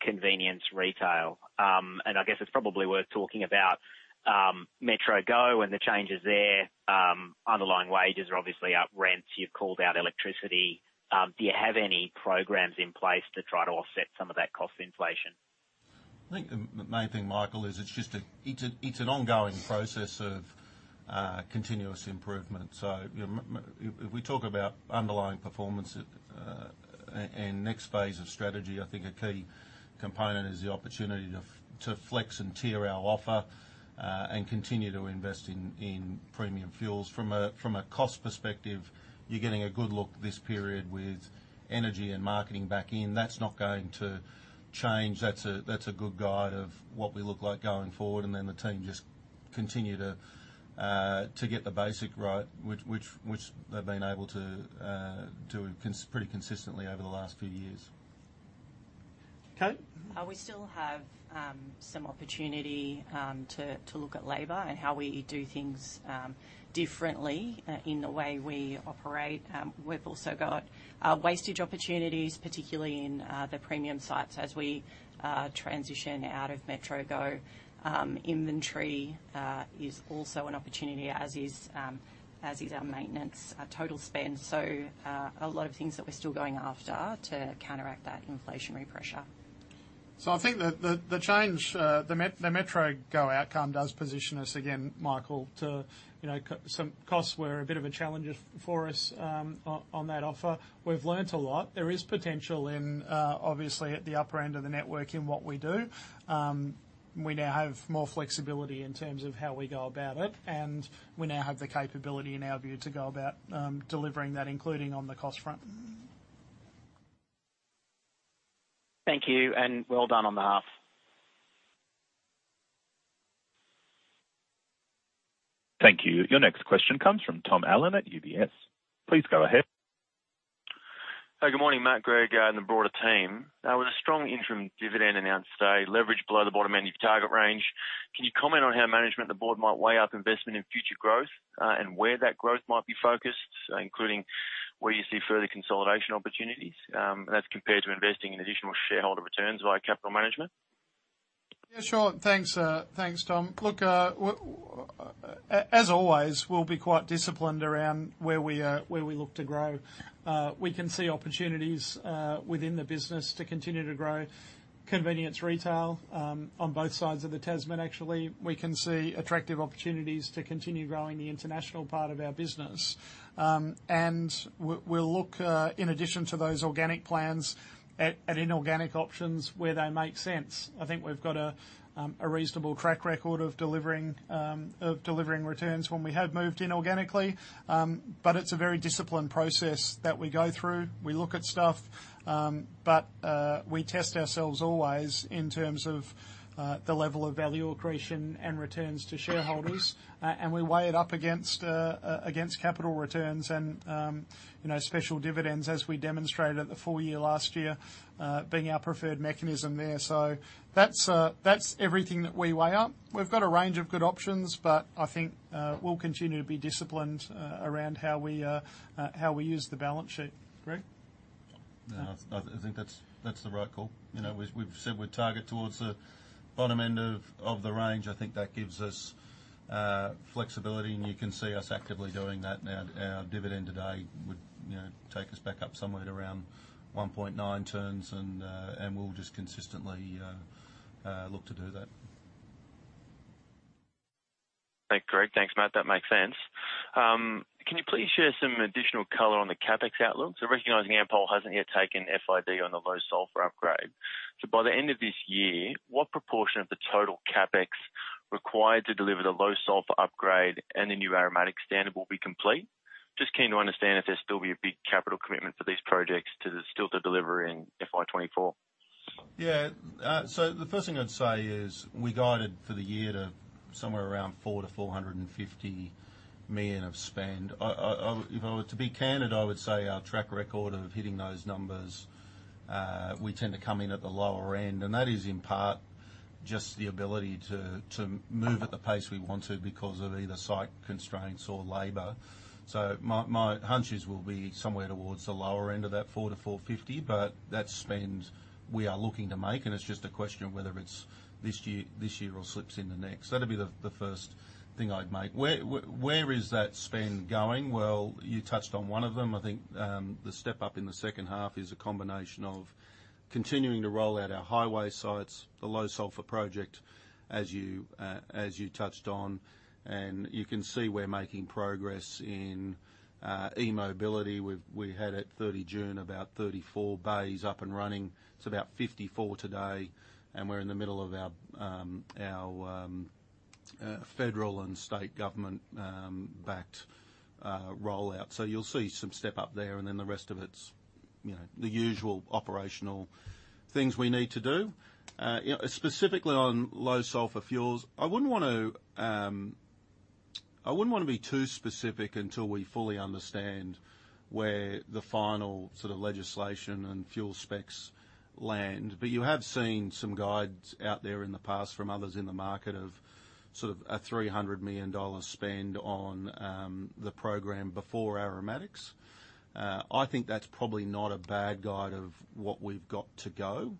Convenience Retail? I guess it's probably worth talking about MetroGo and the changes there. Underlying wages are obviously up, rents, you've called out electricity. Do you have any programs in place to try to offset some of that cost inflation? I think the, the main thing, Michael, is it's just a, it's a, it's an ongoing process of continuous improvement. You know, if we talk about underlying performance, and next phase of strategy, I think a key component is the opportunity to flex and tier our offer, and continue to invest in, in premium fuels. From a, from a cost perspective, you're getting a good look this period with energy and marketing back in. That's not going to change. That's a, that's a good guide of what we look like going forward, and then the team just continue to get the basic right, which, which, which they've been able to do pretty consistently over the last few years. Kate? We still have some opportunity to look at labor and how we do things differently in the way we operate. We've also got wastage opportunities, particularly in the premium sites as we transition out of MetroGo. Inventory is also an opportunity, as is our maintenance, our total spend. A lot of things that we're still going after to counteract that inflationary pressure. I think the, the, the change, the MetroGo outcome does position us again, Michael, to, you know, some costs were a bit of a challenge for us, on, on that offer. We've learned a lot. There is potential in, obviously, at the upper end of the network in what we do. We now have more flexibility in terms of how we go about it, and we now have the capability, in our view, to go about, delivering that, including on the cost front. Thank you, and well done on the half. Thank you. Your next question comes from Tom Allen at UBS. Please go ahead. Hey, good morning, Matt, Greg, and the broader team. With a strong interim dividend announced today, leverage below the bottom end of your target range, can you comment on how management and the board might weigh up investment in future growth, and where that growth might be focused, including where you see further consolidation opportunities, and that's compared to investing in additional shareholder returns via capital management? Yeah, sure. Thanks, Tom. Look, as always, we'll be quite disciplined around where we are, where we look to grow. We can see opportunities within the business to continue to grow. Convenience Retail, on both sides of the Tasman, actually, we can see attractive opportunities to continue growing the international part of our business. We'll look, in addition to those organic plans, at inorganic options where they make sense. I think we've got a reasonable track record of delivering, of delivering returns when we have moved inorganically. It's a very disciplined process that we go through. We look at stuff, but we test ourselves always in terms of the level of value accretion and returns to shareholders. We weigh it up against, against capital returns and, you know, special dividends, as we demonstrated at the full year last year, being our preferred mechanism there. That's, that's everything that we weigh up. We've got a range of good options, but I think, we'll continue to be disciplined, around how we, how we use the balance sheet. Greg? Yeah, I, I think that's, that's the right call. You know, we've, we've said we target towards the bottom end of the range. I think that gives us flexibility, and you can see us actively doing that now. Our dividend today would, you know, take us back up somewhere at around 1.9 turns, and we'll just consistently look to do that. Thanks, Greg. Thanks, Matt. That makes sense. Can you please share some additional color on the CapEx outlook? Recognizing Ampol hasn't yet taken FID on the low sulphur upgrade, by the end of this year, what proportion of the total CapEx required to deliver the low sulphur upgrade and the new aromatics standard will be complete? Just keen to understand if there'll still be a big capital commitment for these projects still to deliver in FY24. Yeah. The first thing I'd say is we guided for the year to somewhere around 400-450 million of spend. If I were to be candid, I would say our track record of hitting those numbers, we tend to come in at the lower end. That is, in part, just the ability to move at the pace we want to because of either site constraints or labor. My hunches will be somewhere towards the lower end of that 400-450, but that spend we are looking to make, and it's just a question of whether it's this year, this year or slips into next. That'll be the first thing I'd make. Where is that spend going? Well, you touched on one of them. I think the step up in the H2 is a combination of continuing to roll out our highway sites, the low sulphur project, as you touched on, and you can see we're making progress in eMobility. We had, at June 30, about 34 bays up and running. It's about 54 today, and we're in the middle of our federal and state government backed rollout. You'll see some step up there, and then the rest of it's, you know, the usual operational things we need to do. You know, specifically on low sulphur fuels, I wouldn't want to, I wouldn't want to be too specific until we fully understand where the final sort of legislation and fuel specs land, but you have seen some guides out there in the past from others in the market of sort of a 300 million dollars spend on the program before aromatics. I think that's probably not a bad guide of what we've got to go.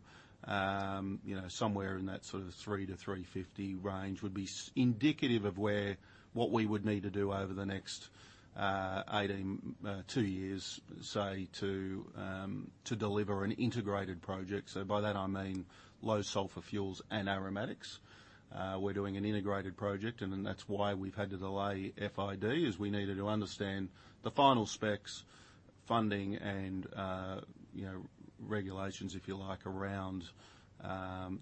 You know, somewhere in that sort of 300-350 range would be indicative of where, what we would need to do over the next, 18, 2 years, say, to deliver an integrated project. So by that, I mean low sulphur fuels and aromatics. We're doing an integrated project, and then that's why we've had to delay FID, is we needed to understand the final specs, funding and, you know, regulations, if you like, around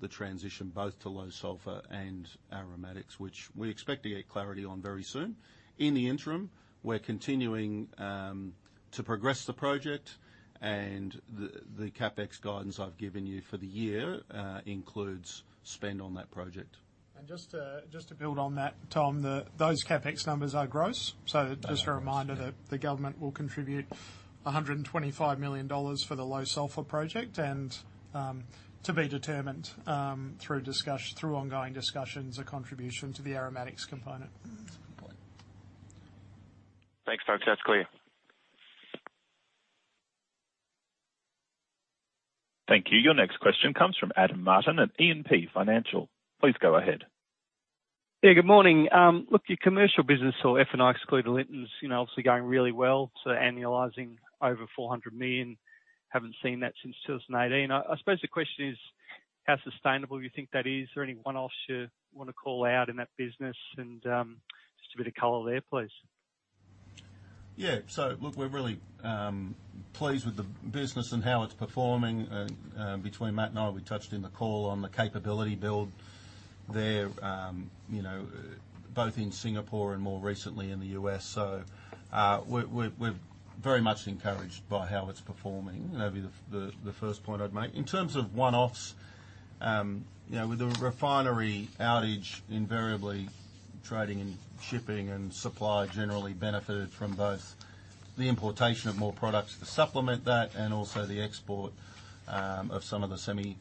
the transition both to low sulphur and aromatics, which we expect to get clarity on very soon. In the interim, we're continuing to progress the project and the CapEx guidance I've given you for the year includes spend on that project. Just to, just to build on that, Tom, the, those CapEx numbers are gross. Just a reminder that the government will contribute 125 million dollars for the low sulphur project, and, to be determined, through ongoing discussions, a contribution to the aromatics component. That's important. Thanks, folks. That's clear. Thank you. Your next question comes from Adam Martin at E&P Financial. Please go ahead. Yeah, good morning. Look, your commercial business or F&I excluding Lytton, you know, obviously going really well, so annualizing over 400 million. Haven't seen that since 2018. I suppose the question is, how sustainable do you think that is? Is there anyone else you want to call out in that business? Just a bit of color there, please. Yeah. Look, we're really pleased with the business and how it's performing. Between Matt and I, we touched in the call on the capability build there, you know, both in Singapore and more recently in the US. We're very much encouraged by how it's performing. That'd be the first point I'd make. In terms of one-offs, you know, with the refinery outage, invariably trading and shipping and supply generally benefited from both the importation of more products to supplement that and also the export of some of the semi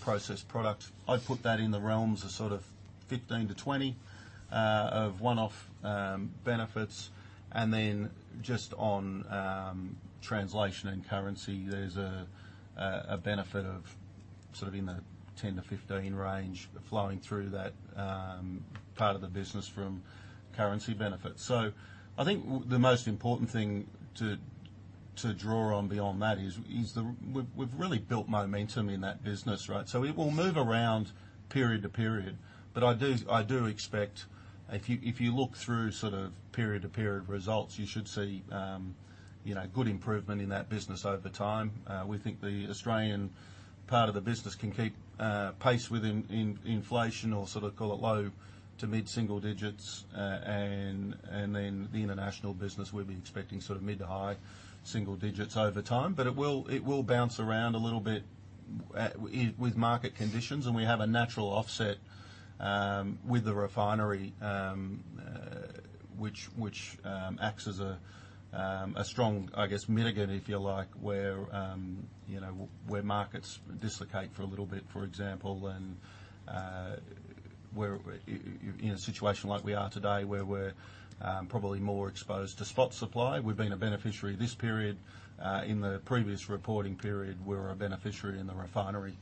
processed products. I'd put that in the realms of sort of 15 million-20 million of one-off benefits. Then just on translation and currency, there's a benefit of sort of in the 10-15 range flowing through that part of the business from currency benefits. I think the most important thing to, to draw on beyond that is, is we've really built momentum in that business, right? It will move around period to period, but I do, I do expect if you, if you look through sort of period-to-period results, you should see, you know, good improvement in that business over time. We think the Australian part of the business can keep pace with in, in inflation or sort of call it low to mid-single digits. Then the international business, we'll be expecting sort of mid to high single digits over time, but it will, it will bounce around a little bit with market conditions. We have a natural offset with the refinery, which, which acts as a strong, I guess, mitigant, if you like, where, you know, where markets dislocate for a little bit, for example, and where in a situation like we are today, where we're probably more exposed to spot supply. We've been a beneficiary this period. In the previous reporting period, we were a beneficiary in the refinery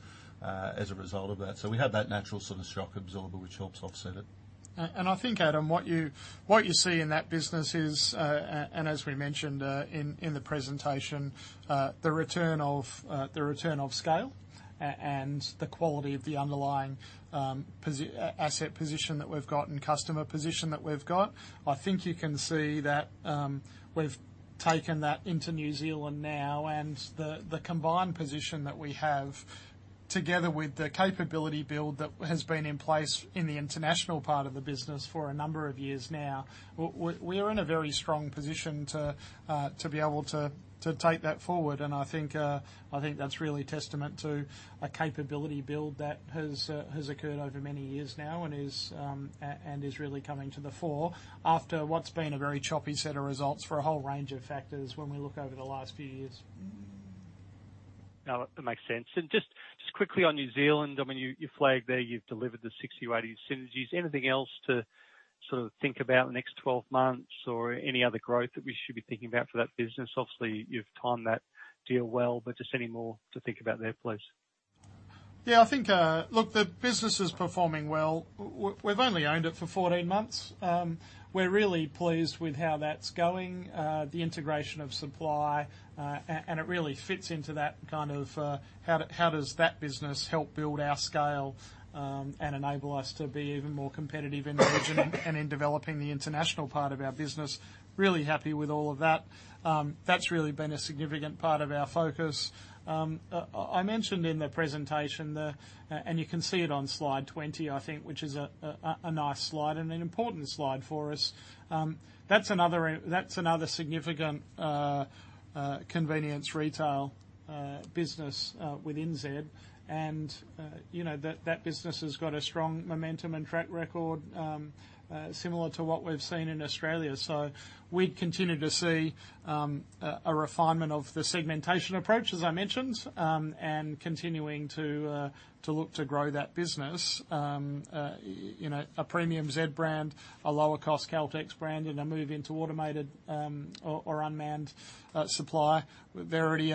as a result of that. We have that natural sort of shock absorber, which helps offset it. And I think, Adam, what you, what you see in that business is, and as we mentioned, in the presentation, the return of the return of scale, and the quality of the underlying asset position that we've got and customer position that we've got. I think you can see that, we've taken that into New Zealand now, and the, the combined position that we have, together with the capability build that has been in place in the international part of the business for a number of years now, we, we are in a very strong position to be able to, to take that forward. I think that's really testament to a capability build that has occurred over many years now and is really coming to the fore after what's been a very choppy set of results for a whole range of factors when we look over the last few years. Now, that makes sense. Just, just quickly on New Zealand, I mean, you, you flagged there, you've delivered the 60-80 synergies. Anything else to sort of think about the next 12 months or any other growth that we should be thinking about for that business? Obviously, you've timed that deal well, but just any more to think about there, please. Yeah, I think, Look, the business is performing well. We've only owned it for 14 months. We're really pleased with how that's going, the integration of supply, and it really fits into that kind of, how do, how does that business help build our scale, and enable us to be even more competitive in the region, and in developing the international part of our business? Really happy with all of that. That's really been a significant part of our focus. I, I mentioned in the presentation, the, and you can see it on slide 20, I think, which is a, a, a nice slide and an important slide for us. That's another, that's another significant convenience retail business within Z, and, you know, that, that business has got a strong momentum and track record, similar to what we've seen in Australia. We'd continue to see a refinement of the segmentation approach, as I mentioned, and continuing to look to grow that business. You know, a premium Z brand, a lower cost Caltex brand, in a move into automated, or unmanned, supply. They're already,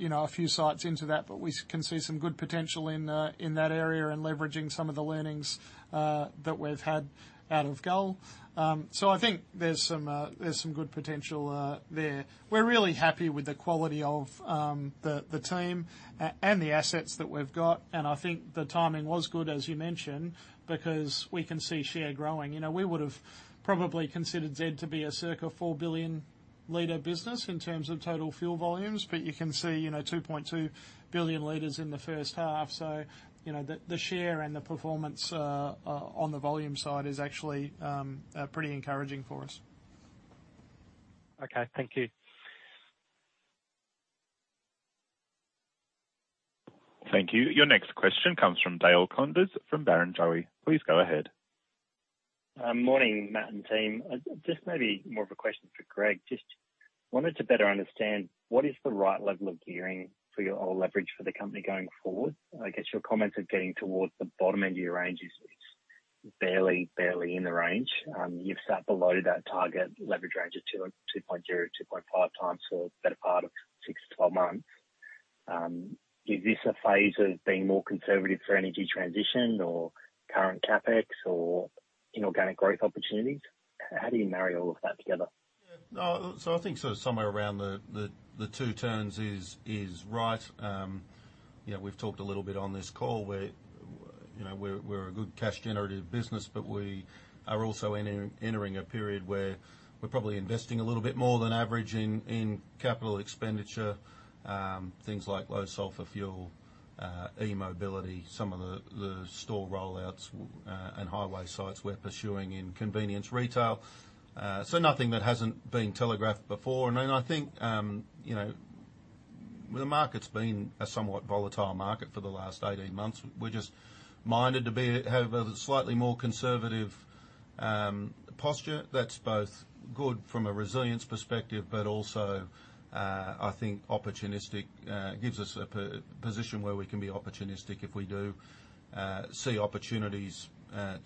you know, a few sites into that, but we can see some good potential in that area and leveraging some of the learnings that we've had out of Gull. I think there's some, there's some good potential there. We're really happy with the quality of the, the team, and the assets that we've got, and I think the timing was good, as you mentioned, because we can see share growing. You know, we would've probably considered Z to be a circa 4 billion liter business in terms of total fuel volumes, but you can see, you know, 2.2 billion liters in the H1. You know, the, the share and the performance on the volume side is actually pretty encouraging for us. Okay. Thank you. Thank you. Your next question comes from Dale Koenders from Barrenjoey. Please go ahead. Morning, Matt and team. Just maybe more of a question for Greg. Just wanted to better understand what is the right level of gearing for your old leverage for the company going forward? I guess your comments are getting towards the bottom end of your range is barely, barely in the range. You've sat below that target leverage range of 2.0 to 2.5 times for the better part of 6 to 12 months. Is this a phase of being more conservative for energy transition or current CapEx or inorganic growth opportunities? How do you marry all of that together? Yeah. I think sort of somewhere around the, the, the 2 turns is, is right. You know, we're, we're a good cash generative business, but we are also entering a period where we're probably investing a little bit more than average in, in capital expenditure. Things like low sulphur fuel, eMobility, some of the, the store rollouts, and highway sites we're pursuing in Convenience Retail. Nothing that hasn't been telegraphed before. I think, you know, the market's been a somewhat volatile market for the last 18 months. We're just minded to be, have a slightly more conservative posture, that's both good from a resilience perspective, but also, I think opportunistic, gives us a position where we can be opportunistic if we do see opportunities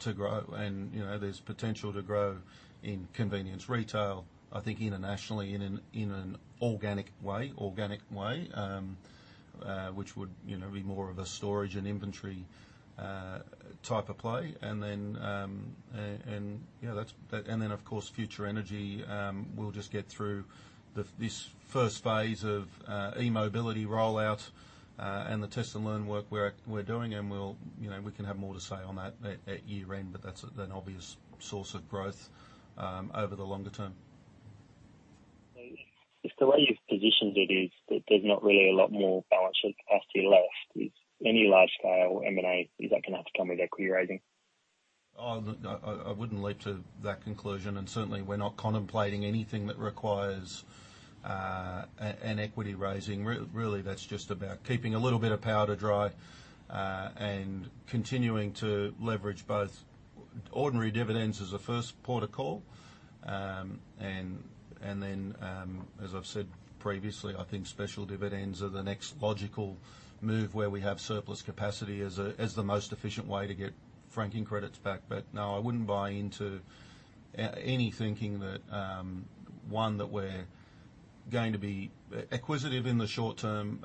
to grow. You know, there's potential to grow in Convenience Retail, I think internationally, in an, in an organic way, organic way, which would, you know, be more of a storage and inventory type of play. And then, and, you know, that. Then, of course, future energy, we'll just get through the, this first phase of eMobility rollout, and the test-and-learn work we're, we're doing, and we'll, you know, we can have more to say on that at, at year-end, but that's an obvious source of growth over the longer term. If the way you've positioned it is that there's not really a lot more balance sheet capacity left, is any large scale M&A, is that gonna have to come with equity raising? Oh, no, I, I wouldn't leap to that conclusion, and certainly we're not contemplating anything that requires an equity raising. Really, that's just about keeping a little bit of powder dry and continuing to leverage both ordinary dividends as a first port of call. Then, as I've said previously, I think special dividends are the next logical move, where we have surplus capacity as the most efficient way to get franking credits back. No, I wouldn't buy into any thinking that, one, that we're going to be acquisitive in the short term,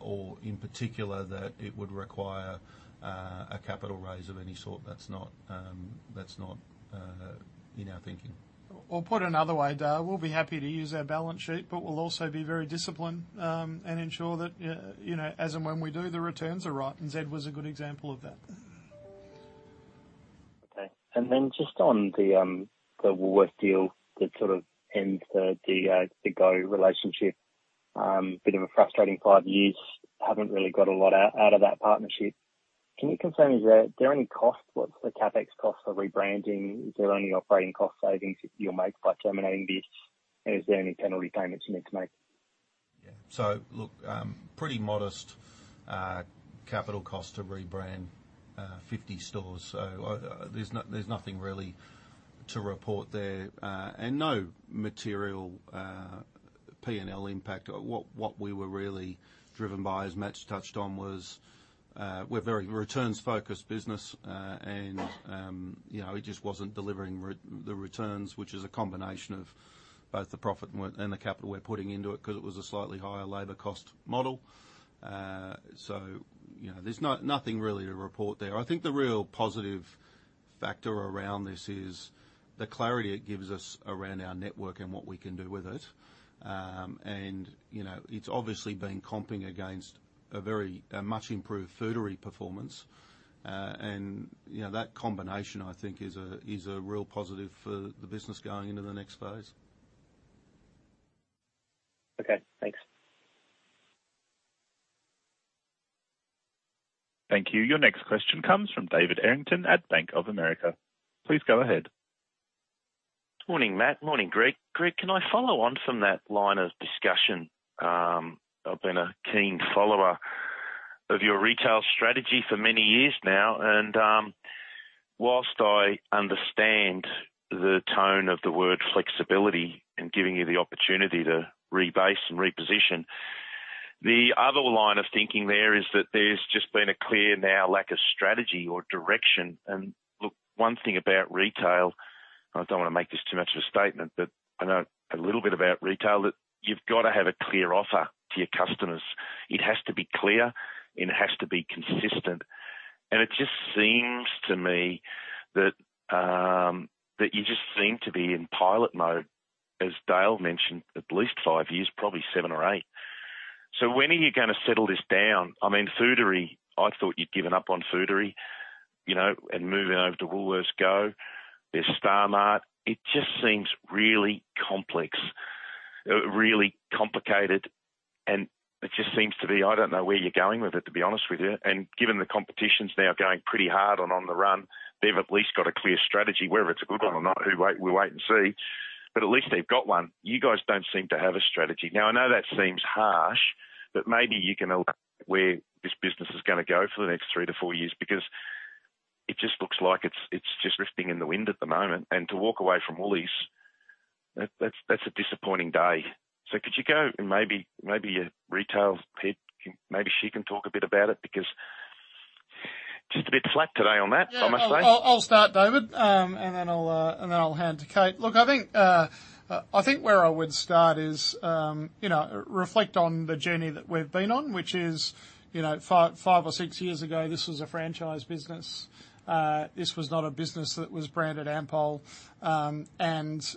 or in particular, that it would require a capital raise of any sort. That's not, that's not in our thinking. Put another way, Dale, we'll be happy to use our balance sheet, but we'll also be very disciplined, and ensure that, you know, as and when we do, the returns are right. Z Energy was a good example of that. Okay. Then just on the, the Woolworths deal that sort of ends the, the go relationship, bit of a frustrating 5 years, haven't really got a lot out, out of that partnership. Can you confirm, is there, are there any costs? What's the CapEx cost for rebranding? Is there any operating cost savings you'll make by terminating this? And is there any penalty payments you need to make? Yeah. Pretty modest capital cost to rebrand 50 stores. There's nothing really to report there and no material P&L impact. What we were really driven by, as Matt touched on, was we're very returns-focused business. You know, it just wasn't delivering the returns, which is a combination of both the profit and the capital we're putting into it, 'cause it was a slightly higher labor cost model. You know, there's nothing really to report there. I think the real positive factor around this is the clarity it gives us around our network and what we can do with it. You know, it's obviously been comping against a very, much improved Foodary performance. You know, that combination, I think, is a real positive for the business going into the next phase. Okay, thanks. Thank you. Your next question comes from David Errington at Bank of America. Please go ahead. Morning, Matt. Morning, Greg. Greg, can I follow on from that line of discussion? I've been a keen follower of your retail strategy for many years now, and, whilst I understand the tone of the word flexibility in giving you the opportunity to rebase and reposition, the other line of thinking there is that there's just been a clear now lack of strategy or direction. Look, one thing about retail, I don't want to make this too much of a statement, but I know a little bit about retail, that you've got to have a clear offer to your customers. It has to be clear, and it has to be consistent. It just seems to me that you just seem to be in pilot mode, as Dale mentioned, at least 5 years, probably 7 or 8. When are you going to settle this down? I mean, Foodary, I thought you'd given up on Foodary, you know, and moving over to Woolworths MetroGo. There's StarMart. It just seems really complex, really complicated, and it just seems to be, I don't know where you're going with it, to be honest with you. Given the competition's now going pretty hard on, on the run, they've at least got a clear strategy. Whether it's a good one or not, we wait, we'll wait and see, but at least they've got one. You guys don't seem to have a strategy. Now, I know that seems harsh, but maybe you can elaborate where this business is going to go for the next three to four years, because it just looks like it's, it's just drifting in the wind at the moment. To walk away from Woolies, that's, that's a disappointing day. Could you go and maybe, maybe your retail head, maybe she can talk a bit about it, because just a bit flat today on that, I must say. Yeah, I'll, I'll start, David, and then I'll hand to Kate. Look, I think, I think where I would start is, you know, reflect on the journey that we've been on, which is, you know, five, five or six years ago, this was a franchise business. This was not a business that was branded Ampol and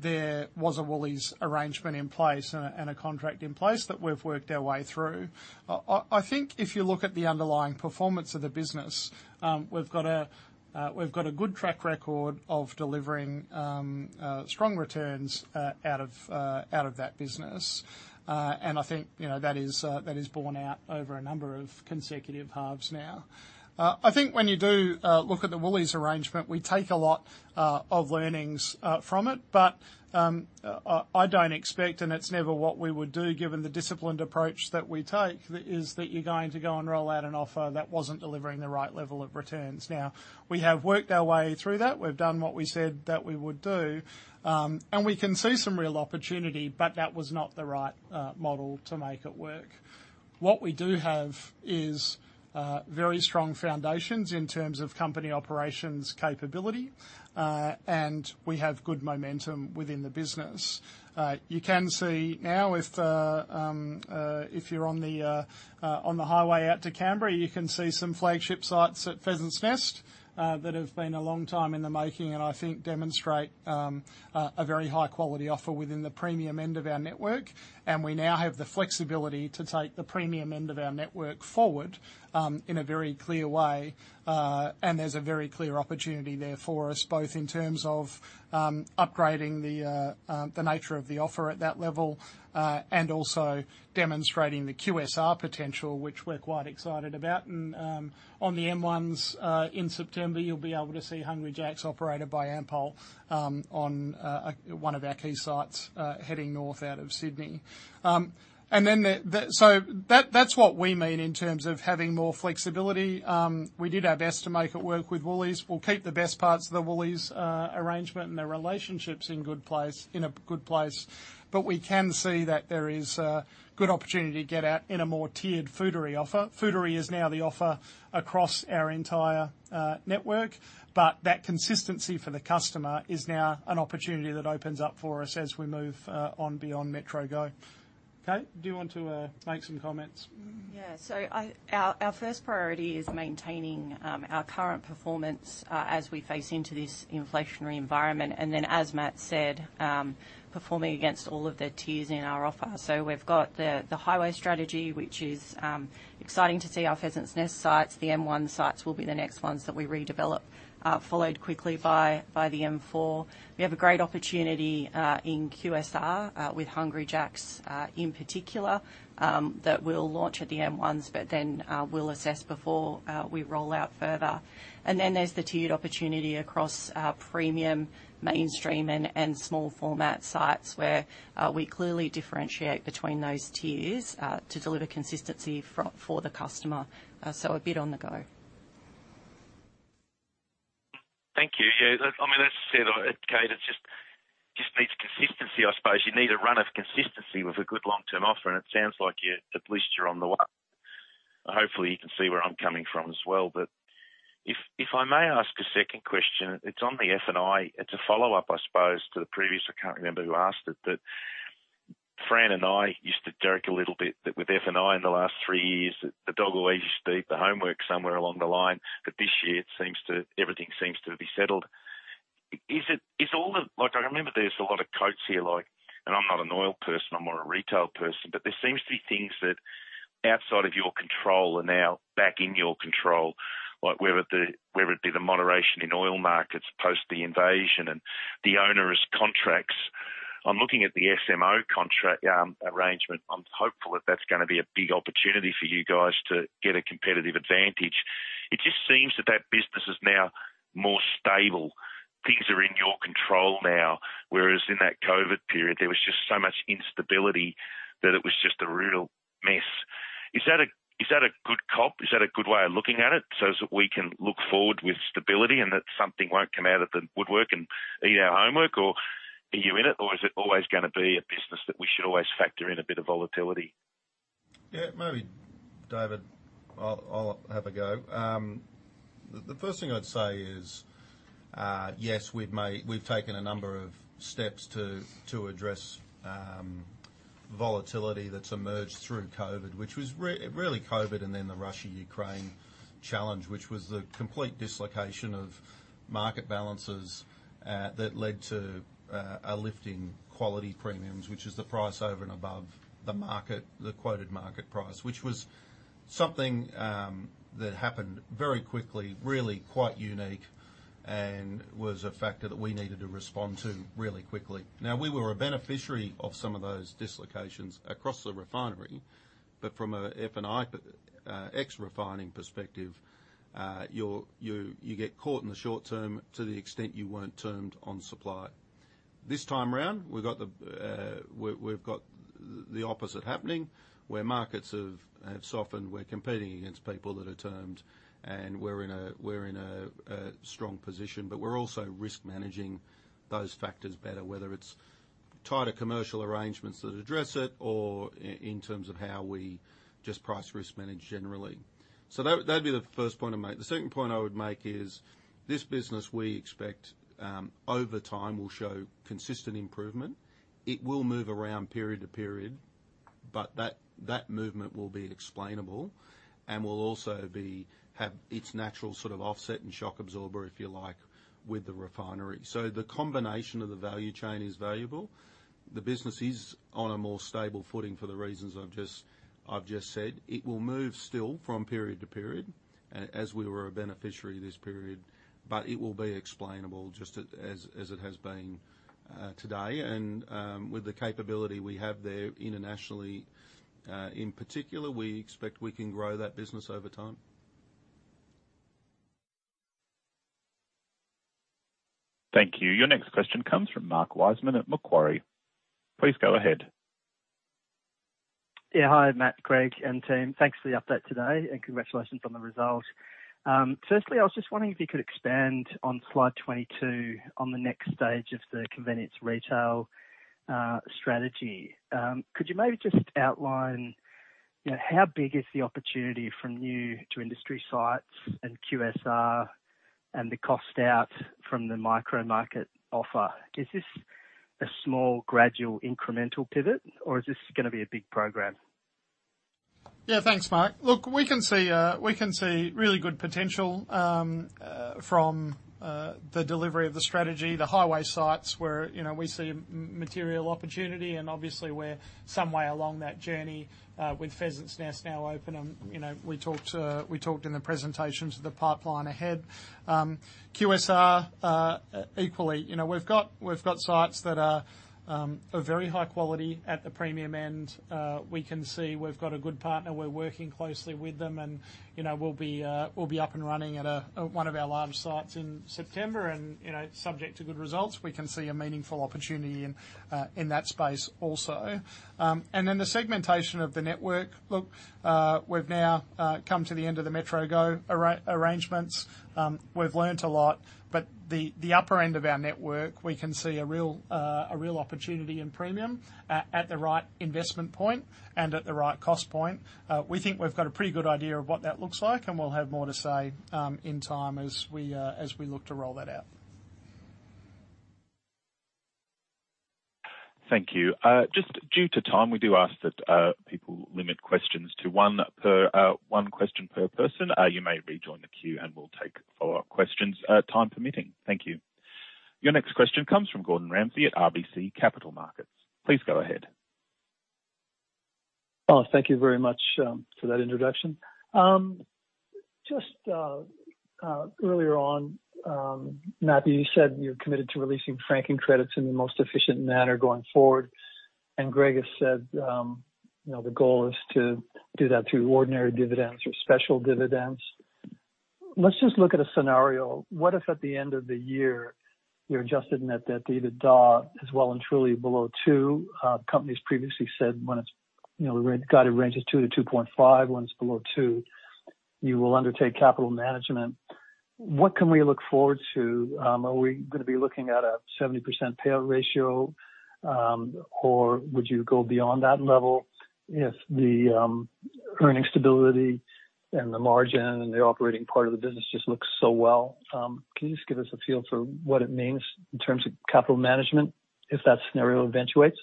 there was a Woolies arrangement in place and a contract in place that we've worked our way through. I think if you look at the underlying performance of the business, we've got a good track record of delivering strong returns out of that business. I think, you know, that is borne out over a number of consecutive halves now. I think when you do look at the Woolies arrangement, we take a lot of learnings from it, but I, I don't expect, and it's never what we would do, given the disciplined approach that we take, is that you're going to go and roll out an offer that wasn't delivering the right level of returns. We have worked our way through that. We've done what we said that we would do, and we can see some real opportunity, but that was not the right model to make it work. What we do have is very strong foundations in terms of company operations capability, and we have good momentum within the business. You can see now if the, if you're on the, on the highway out to Canberra, you can see some flagship sites at Pheasants Nest that have been a long time in the making, and I think demonstrate a very high quality offer within the premium end of our network. And we now have the flexibility to take the premium end of our network forward in a very clear way, and there's a very clear opportunity there for us, both in terms of upgrading the nature of the offer at that level, and also demonstrating the QSR potential, which we're quite excited about. On the M1s, in September, you'll be able to see Hungry Jack's operated by Ampol on one of our key sites, heading north out of Sydney. That, that's what we mean in terms of having more flexibility. We did our best to make it work with Woolies. We'll keep the best parts of the Woolies arrangement, and the relationship's in good place, in a good place, but we can see that there is a good opportunity to get out in a more tiered Foodary offer. Foodary is now the offer across our entire network, but that consistency for the customer is now an opportunity that opens up for us as we move on beyond MetroGo. Kate, do you want to make some comments? Yeah. Our, our first priority is maintaining our current performance as we face into this inflationary environment, and then, as Matt said, performing against all of the tiers in our offer. We've got the, the highway strategy, which is exciting to see our Pheasants Nest sites. The M1 sites will be the next ones that we redevelop, followed quickly by, by the M4. We have a great opportunity in QSR with Hungry Jack's in particular, that we'll launch at the M1s, but then, we'll assess before we roll out further. There's the tiered opportunity across our premium, mainstream, and, and small format sites, where we clearly differentiate between those tiers to deliver consistency for, for the customer. A bit on the go. Thank you. Yeah, I mean, that said, Kate, it just needs consistency, I suppose. You need a run of consistency with a good long-term offer, at least you're on the way. Hopefully, you can see where I'm coming from as well. If I may ask a second question, it's on the F&I. It's a follow-up, I suppose, to the previous, I can't remember who asked it. Fran and I used to joke a little bit that with F&I in the last three years, that the dog always used to eat the homework somewhere along the line. This year, everything seems to be settled. Is all the... Like, I remember there's a lot of coats here, like, and I'm not an oil person, I'm more a retail person, but there seems to be things that outside of your control are now back in your control, like, whether the, whether it be the moderation in oil markets post the invasion and the onerous contracts- I'm looking at the SMO contract, arrangement. I'm hopeful that that's gonna be a big opportunity for you guys to get a competitive advantage. It just seems that that business is now more stable. Things are in your control now, whereas in that COVID period, there was just so much instability that it was just a real mess. Is that a, is that a good cop? Is that a good way of looking at it, so as that we can look forward with stability and that something won't come out of the woodwork and eat our homework? Are you in it, or is it always gonna be a business that we should always factor in a bit of volatility? Yeah, maybe, David, I'll have a go. The first thing I'd say is, yes, we've taken a number of steps to address volatility that's emerged through COVID, which was really COVID, and then the Russia-Ukraine challenge, which was the complete dislocation of market balances that led to a lift in quality premiums, which is the price over and above the market, the quoted market price. Which was something that happened very quickly, really quite unique, and was a factor that we needed to respond to really quickly. Now, we were a beneficiary of some of those dislocations across the refinery, but from a F&I ex-refining perspective, you get caught in the short term to the extent you weren't termed on supply. This time around, we've got the opposite happening, where markets have softened, we're competing against people that are termed, and we're in a strong position. We're also risk managing those factors better, whether it's tighter commercial arrangements that address it, or in terms of how we just price risk manage generally. That, that'd be the first point I'd make. The second point I would make is, this business, we expect, over time, will show consistent improvement. It will move around period to period, but that, that movement will be explainable and will also have its natural sort of offset and shock absorber, if you like, with the refinery. The combination of the value chain is valuable. The business is on a more stable footing for the reasons I've just said. It will move still from period to period, as we were a beneficiary this period, but it will be explainable just as, as it has been, today. With the capability we have there internationally, in particular, we expect we can grow that business over time. Thank you. Your next question comes from Mark Wiseman at Macquarie. Please go ahead. Yeah, hi, Matt, Greg, and team. Thanks for the update today, congratulations on the results. Firstly, I was just wondering if you could expand on slide 22, on the next stage of the Convenience Retail strategy. Could you maybe just outline, you know, how big is the opportunity from new to industry sites and QSR and the cost out from the micro market offer? Is this a small, gradual, incremental pivot, or is this gonna be a big program? Yeah, thanks, Mark. Look, we can see, we can see really good potential from the delivery of the strategy. The highway sites, where, you know, we see material opportunity, and obviously we're some way along that journey, with Pheasants Nest now open. You know, we talked, we talked in the presentations of the pipeline ahead. QSR, equally, you know, we've got, we've got sites that are very high quality at the premium end. We can see we've got a good partner. We're working closely with them and, you know, we'll be, we'll be up and running at one of our large sites in September, and, you know, subject to good results, we can see a meaningful opportunity in that space also. Then the segmentation of the network. Look, we've now come to the end of the MetroGo arrangements. We've learned a lot, but the, the upper end of our network, we can see a real, a real opportunity in premium at, at the right investment point and at the right cost point. We think we've got a pretty good idea of what that looks like, and we'll have more to say, in time as we as we look to roll that out. Thank you. Just due to time, we do ask that people limit questions to one per, one question per person. You may rejoin the queue, and we'll take follow-up questions, time permitting. Thank you. Your next question comes from Gordon Ramsay at RBC Capital Markets. Please go ahead. Oh, thank you very much for that introduction. Just earlier on, Matt, you said you're committed to releasing franking credits in the most efficient manner going forward, and Greg has said, you know, the goal is to do that through ordinary dividends or special dividends. Let's just look at a scenario. What if, at the end of the year, your adjusted net debt to EBITDA is well and truly below 2? Companies previously said when it's, you know, the guided range is 2-2.5, when it's below 2, you will undertake capital management. What can we look forward to? Are we gonna be looking at a 70% payout ratio, or would you go beyond that level if the earning stability and the margin and the operating part of the business just looks so well? Can you just give us a feel for what it means in terms of capital management, if that scenario eventuates?...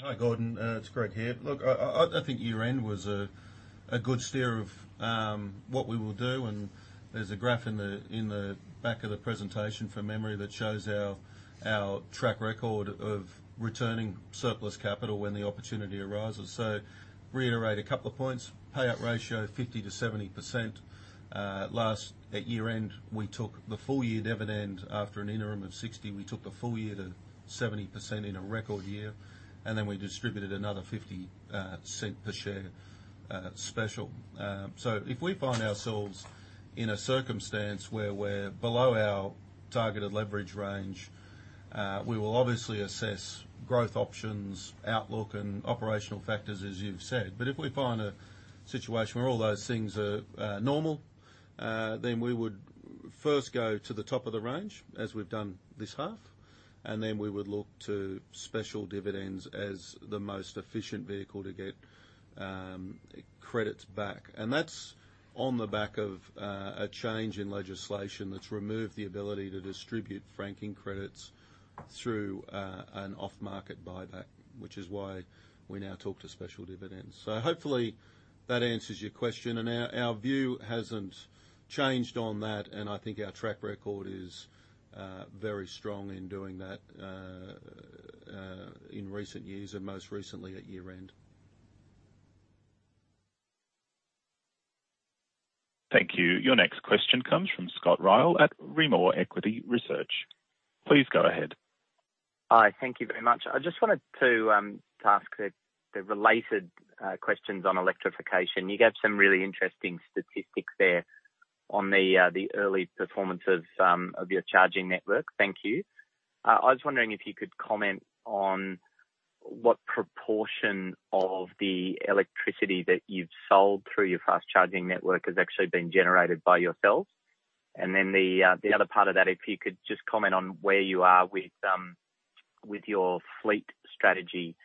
Yeah. Hi, Gordon. It's Greg here. Look, I, I, I think year-end was a good steer of what we will do, and there's a graph in the, in the back of the presentation from memory that shows our, our track record of, of returning surplus capital when the opportunity arises. Reiterate a couple of points. Payout ratio: 50%-70%. Last, at year-end, we took the full year dividend after an interim of 60, we took the full year to 70% in a record year, and then we distributed another 0.50 per share special. If we find ourselves in a circumstance where we're below our targeted leverage range, we will obviously assess growth options, outlook, and operational factors, as you've said. If we find a situation where all those things are normal, then we would first go to the top of the range, as we've done this half, and then we would look to special dividends as the most efficient vehicle to get credits back. That's on the back of a change in legislation that's removed the ability to distribute franking credits through an off-market buyback, which is why we now talk to special dividends. Hopefully, that answers your question. Our, our view hasn't changed on that, and I think our track record is very strong in doing that in recent years, and most recently at year-end. Thank you. Your next question comes from Scott Ryall at Rimor Equity Research. Please go ahead. Hi, thank you very much. I just wanted to ask a related questions on electrification. You gave some really interesting statistics there on the early performance of your charging network. Thank you. I was wondering if you could comment on what proportion of the electricity that you've sold through your fast charging network has actually been generated by yourselves? Then the other part of that, if you could just comment on where you are with your fleet strategy,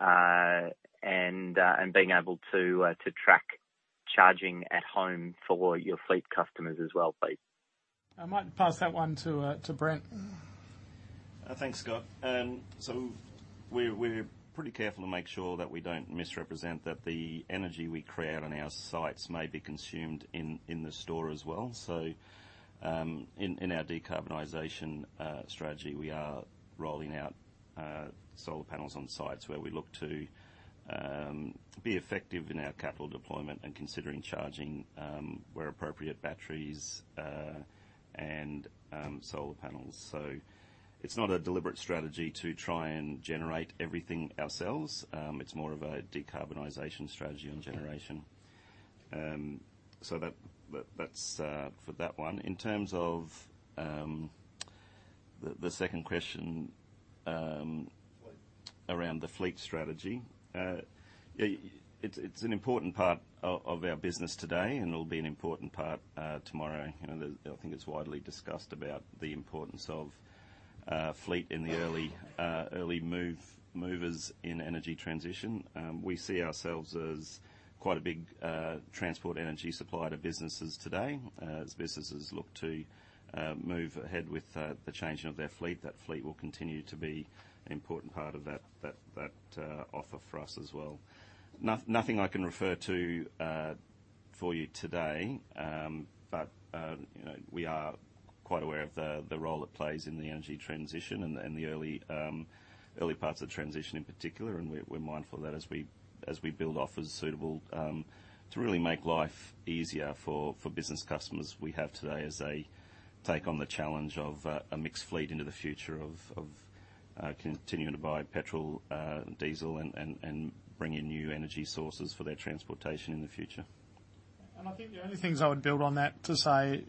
and being able to track charging at home for your fleet customers as well, please. I might pass that one to, to Brent. Thanks, Scott. We're pretty careful to make sure that we don't misrepresent that the energy we create on our sites may be consumed in the store as well. In our decarbonization strategy, we are rolling out solar panels on sites where we look to be effective in our capital deployment and considering charging, where appropriate, batteries, and solar panels. It's not a deliberate strategy to try and generate everything ourselves. It's more of a decarbonization strategy on generation. That's for that one. In terms of the second question around the fleet strategy, it's an important part of our business today, and it'll be an important part tomorrow. You know, I think it's widely discussed about the importance of fleet in the early, early move, movers in energy transition. We see ourselves as quite a big transport energy supplier to businesses today. As businesses look to move ahead with the changing of their fleet, that fleet will continue to be an important part of that, that, that offer for us as well. Nothing I can refer to for you today. You know, we are quite aware of the, the role it plays in the energy transition and, and the early, early parts of the transition in particular, and we're, we're mindful of that as we, as we build offers suitable, to really make life easier for, for business customers we have today, as they take on the challenge of, a mixed fleet into the future of, of, continuing to buy petrol, diesel and, and, and bring in new energy sources for their transportation in the future. I think the only things I would build on that to say,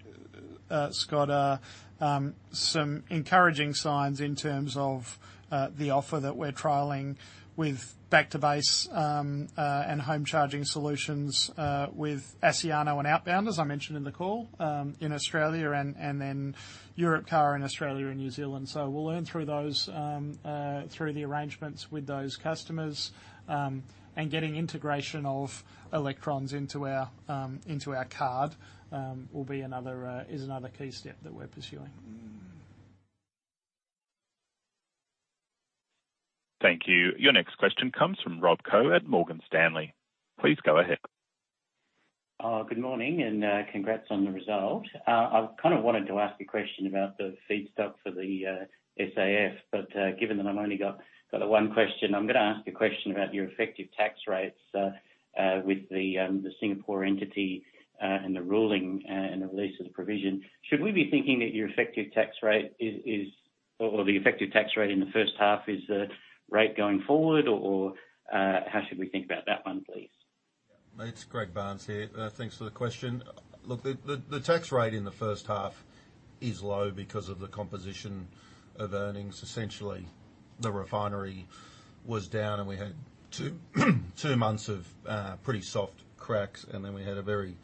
Scott, are some encouraging signs in terms of the offer that we're trialing with back to base and home charging solutions with Aciano and Outbound, as I mentioned in the call, in Australia and Europcar and Australia and New Zealand. We'll learn through those through the arrangements with those customers. Getting integration of electrons into our into our card will be another is another key step that we're pursuing. Thank you. Your next question comes from Rob Koh at Morgan Stanley. Please go ahead. Good morning, and congrats on the result. I kind of wanted to ask a question about the feedstock for the SAF, but given that I've only got, got the one question, I'm gonna ask a question about your effective tax rates with the Singapore entity and the ruling and the release of the provision. Should we be thinking that your effective tax rate is or the effective tax rate in the H1 is the rate going forward? How should we think about that one, please? It's Greg Barnes here. Thanks for the question. Look, the, the, the tax rate in the H1 is low because of the composition of earnings. Essentially, the refinery was down. We had 2, 2 months of pretty soft cracks, then we had a very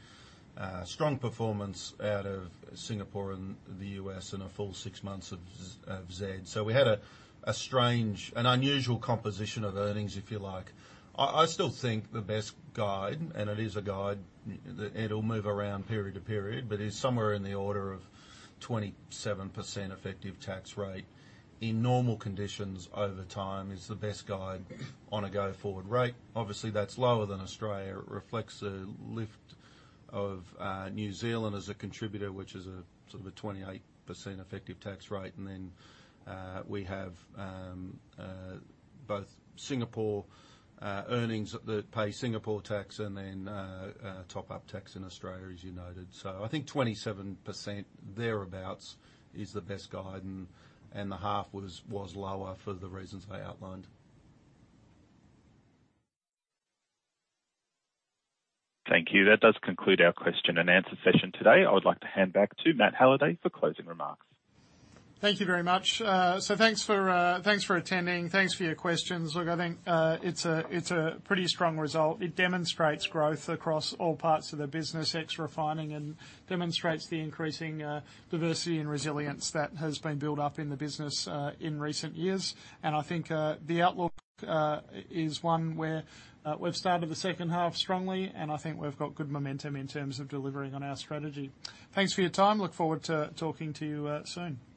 strong performance out of Singapore and the U.S., and a full 6 months of Z- of Zed. We had a strange, an unusual composition of earnings, if you like. I, I still think the best guide, and it is a guide, it'll move around period to period, but is somewhere in the order of 27% effective tax rate in normal conditions over time, is the best guide on a go-forward rate. Obviously, that's lower than Australia. It reflects a lift of New Zealand as a contributor, which is a sort of a 28% effective tax rate. Then, we have both Singapore earnings that pay Singapore tax and then top-up tax in Australia, as you noted. I think 27%, thereabouts, is the best guide, and, and the half was, was lower for the reasons I outlined. Thank you. That does conclude our question and answer session today. I would like to hand back to Matt Halliday for closing remarks. Thank you very much. Thanks for, thanks for attending. Thanks for your questions. Look, I think, it's a, it's a pretty strong result. It demonstrates growth across all parts of the business, ex refining, and demonstrates the increasing diversity and resilience that has been built up in the business in recent years. I think, the outlook, is one where, we've started the H2 strongly, and I think we've got good momentum in terms of delivering on our strategy. Thanks for your time. Look forward to talking to you soon.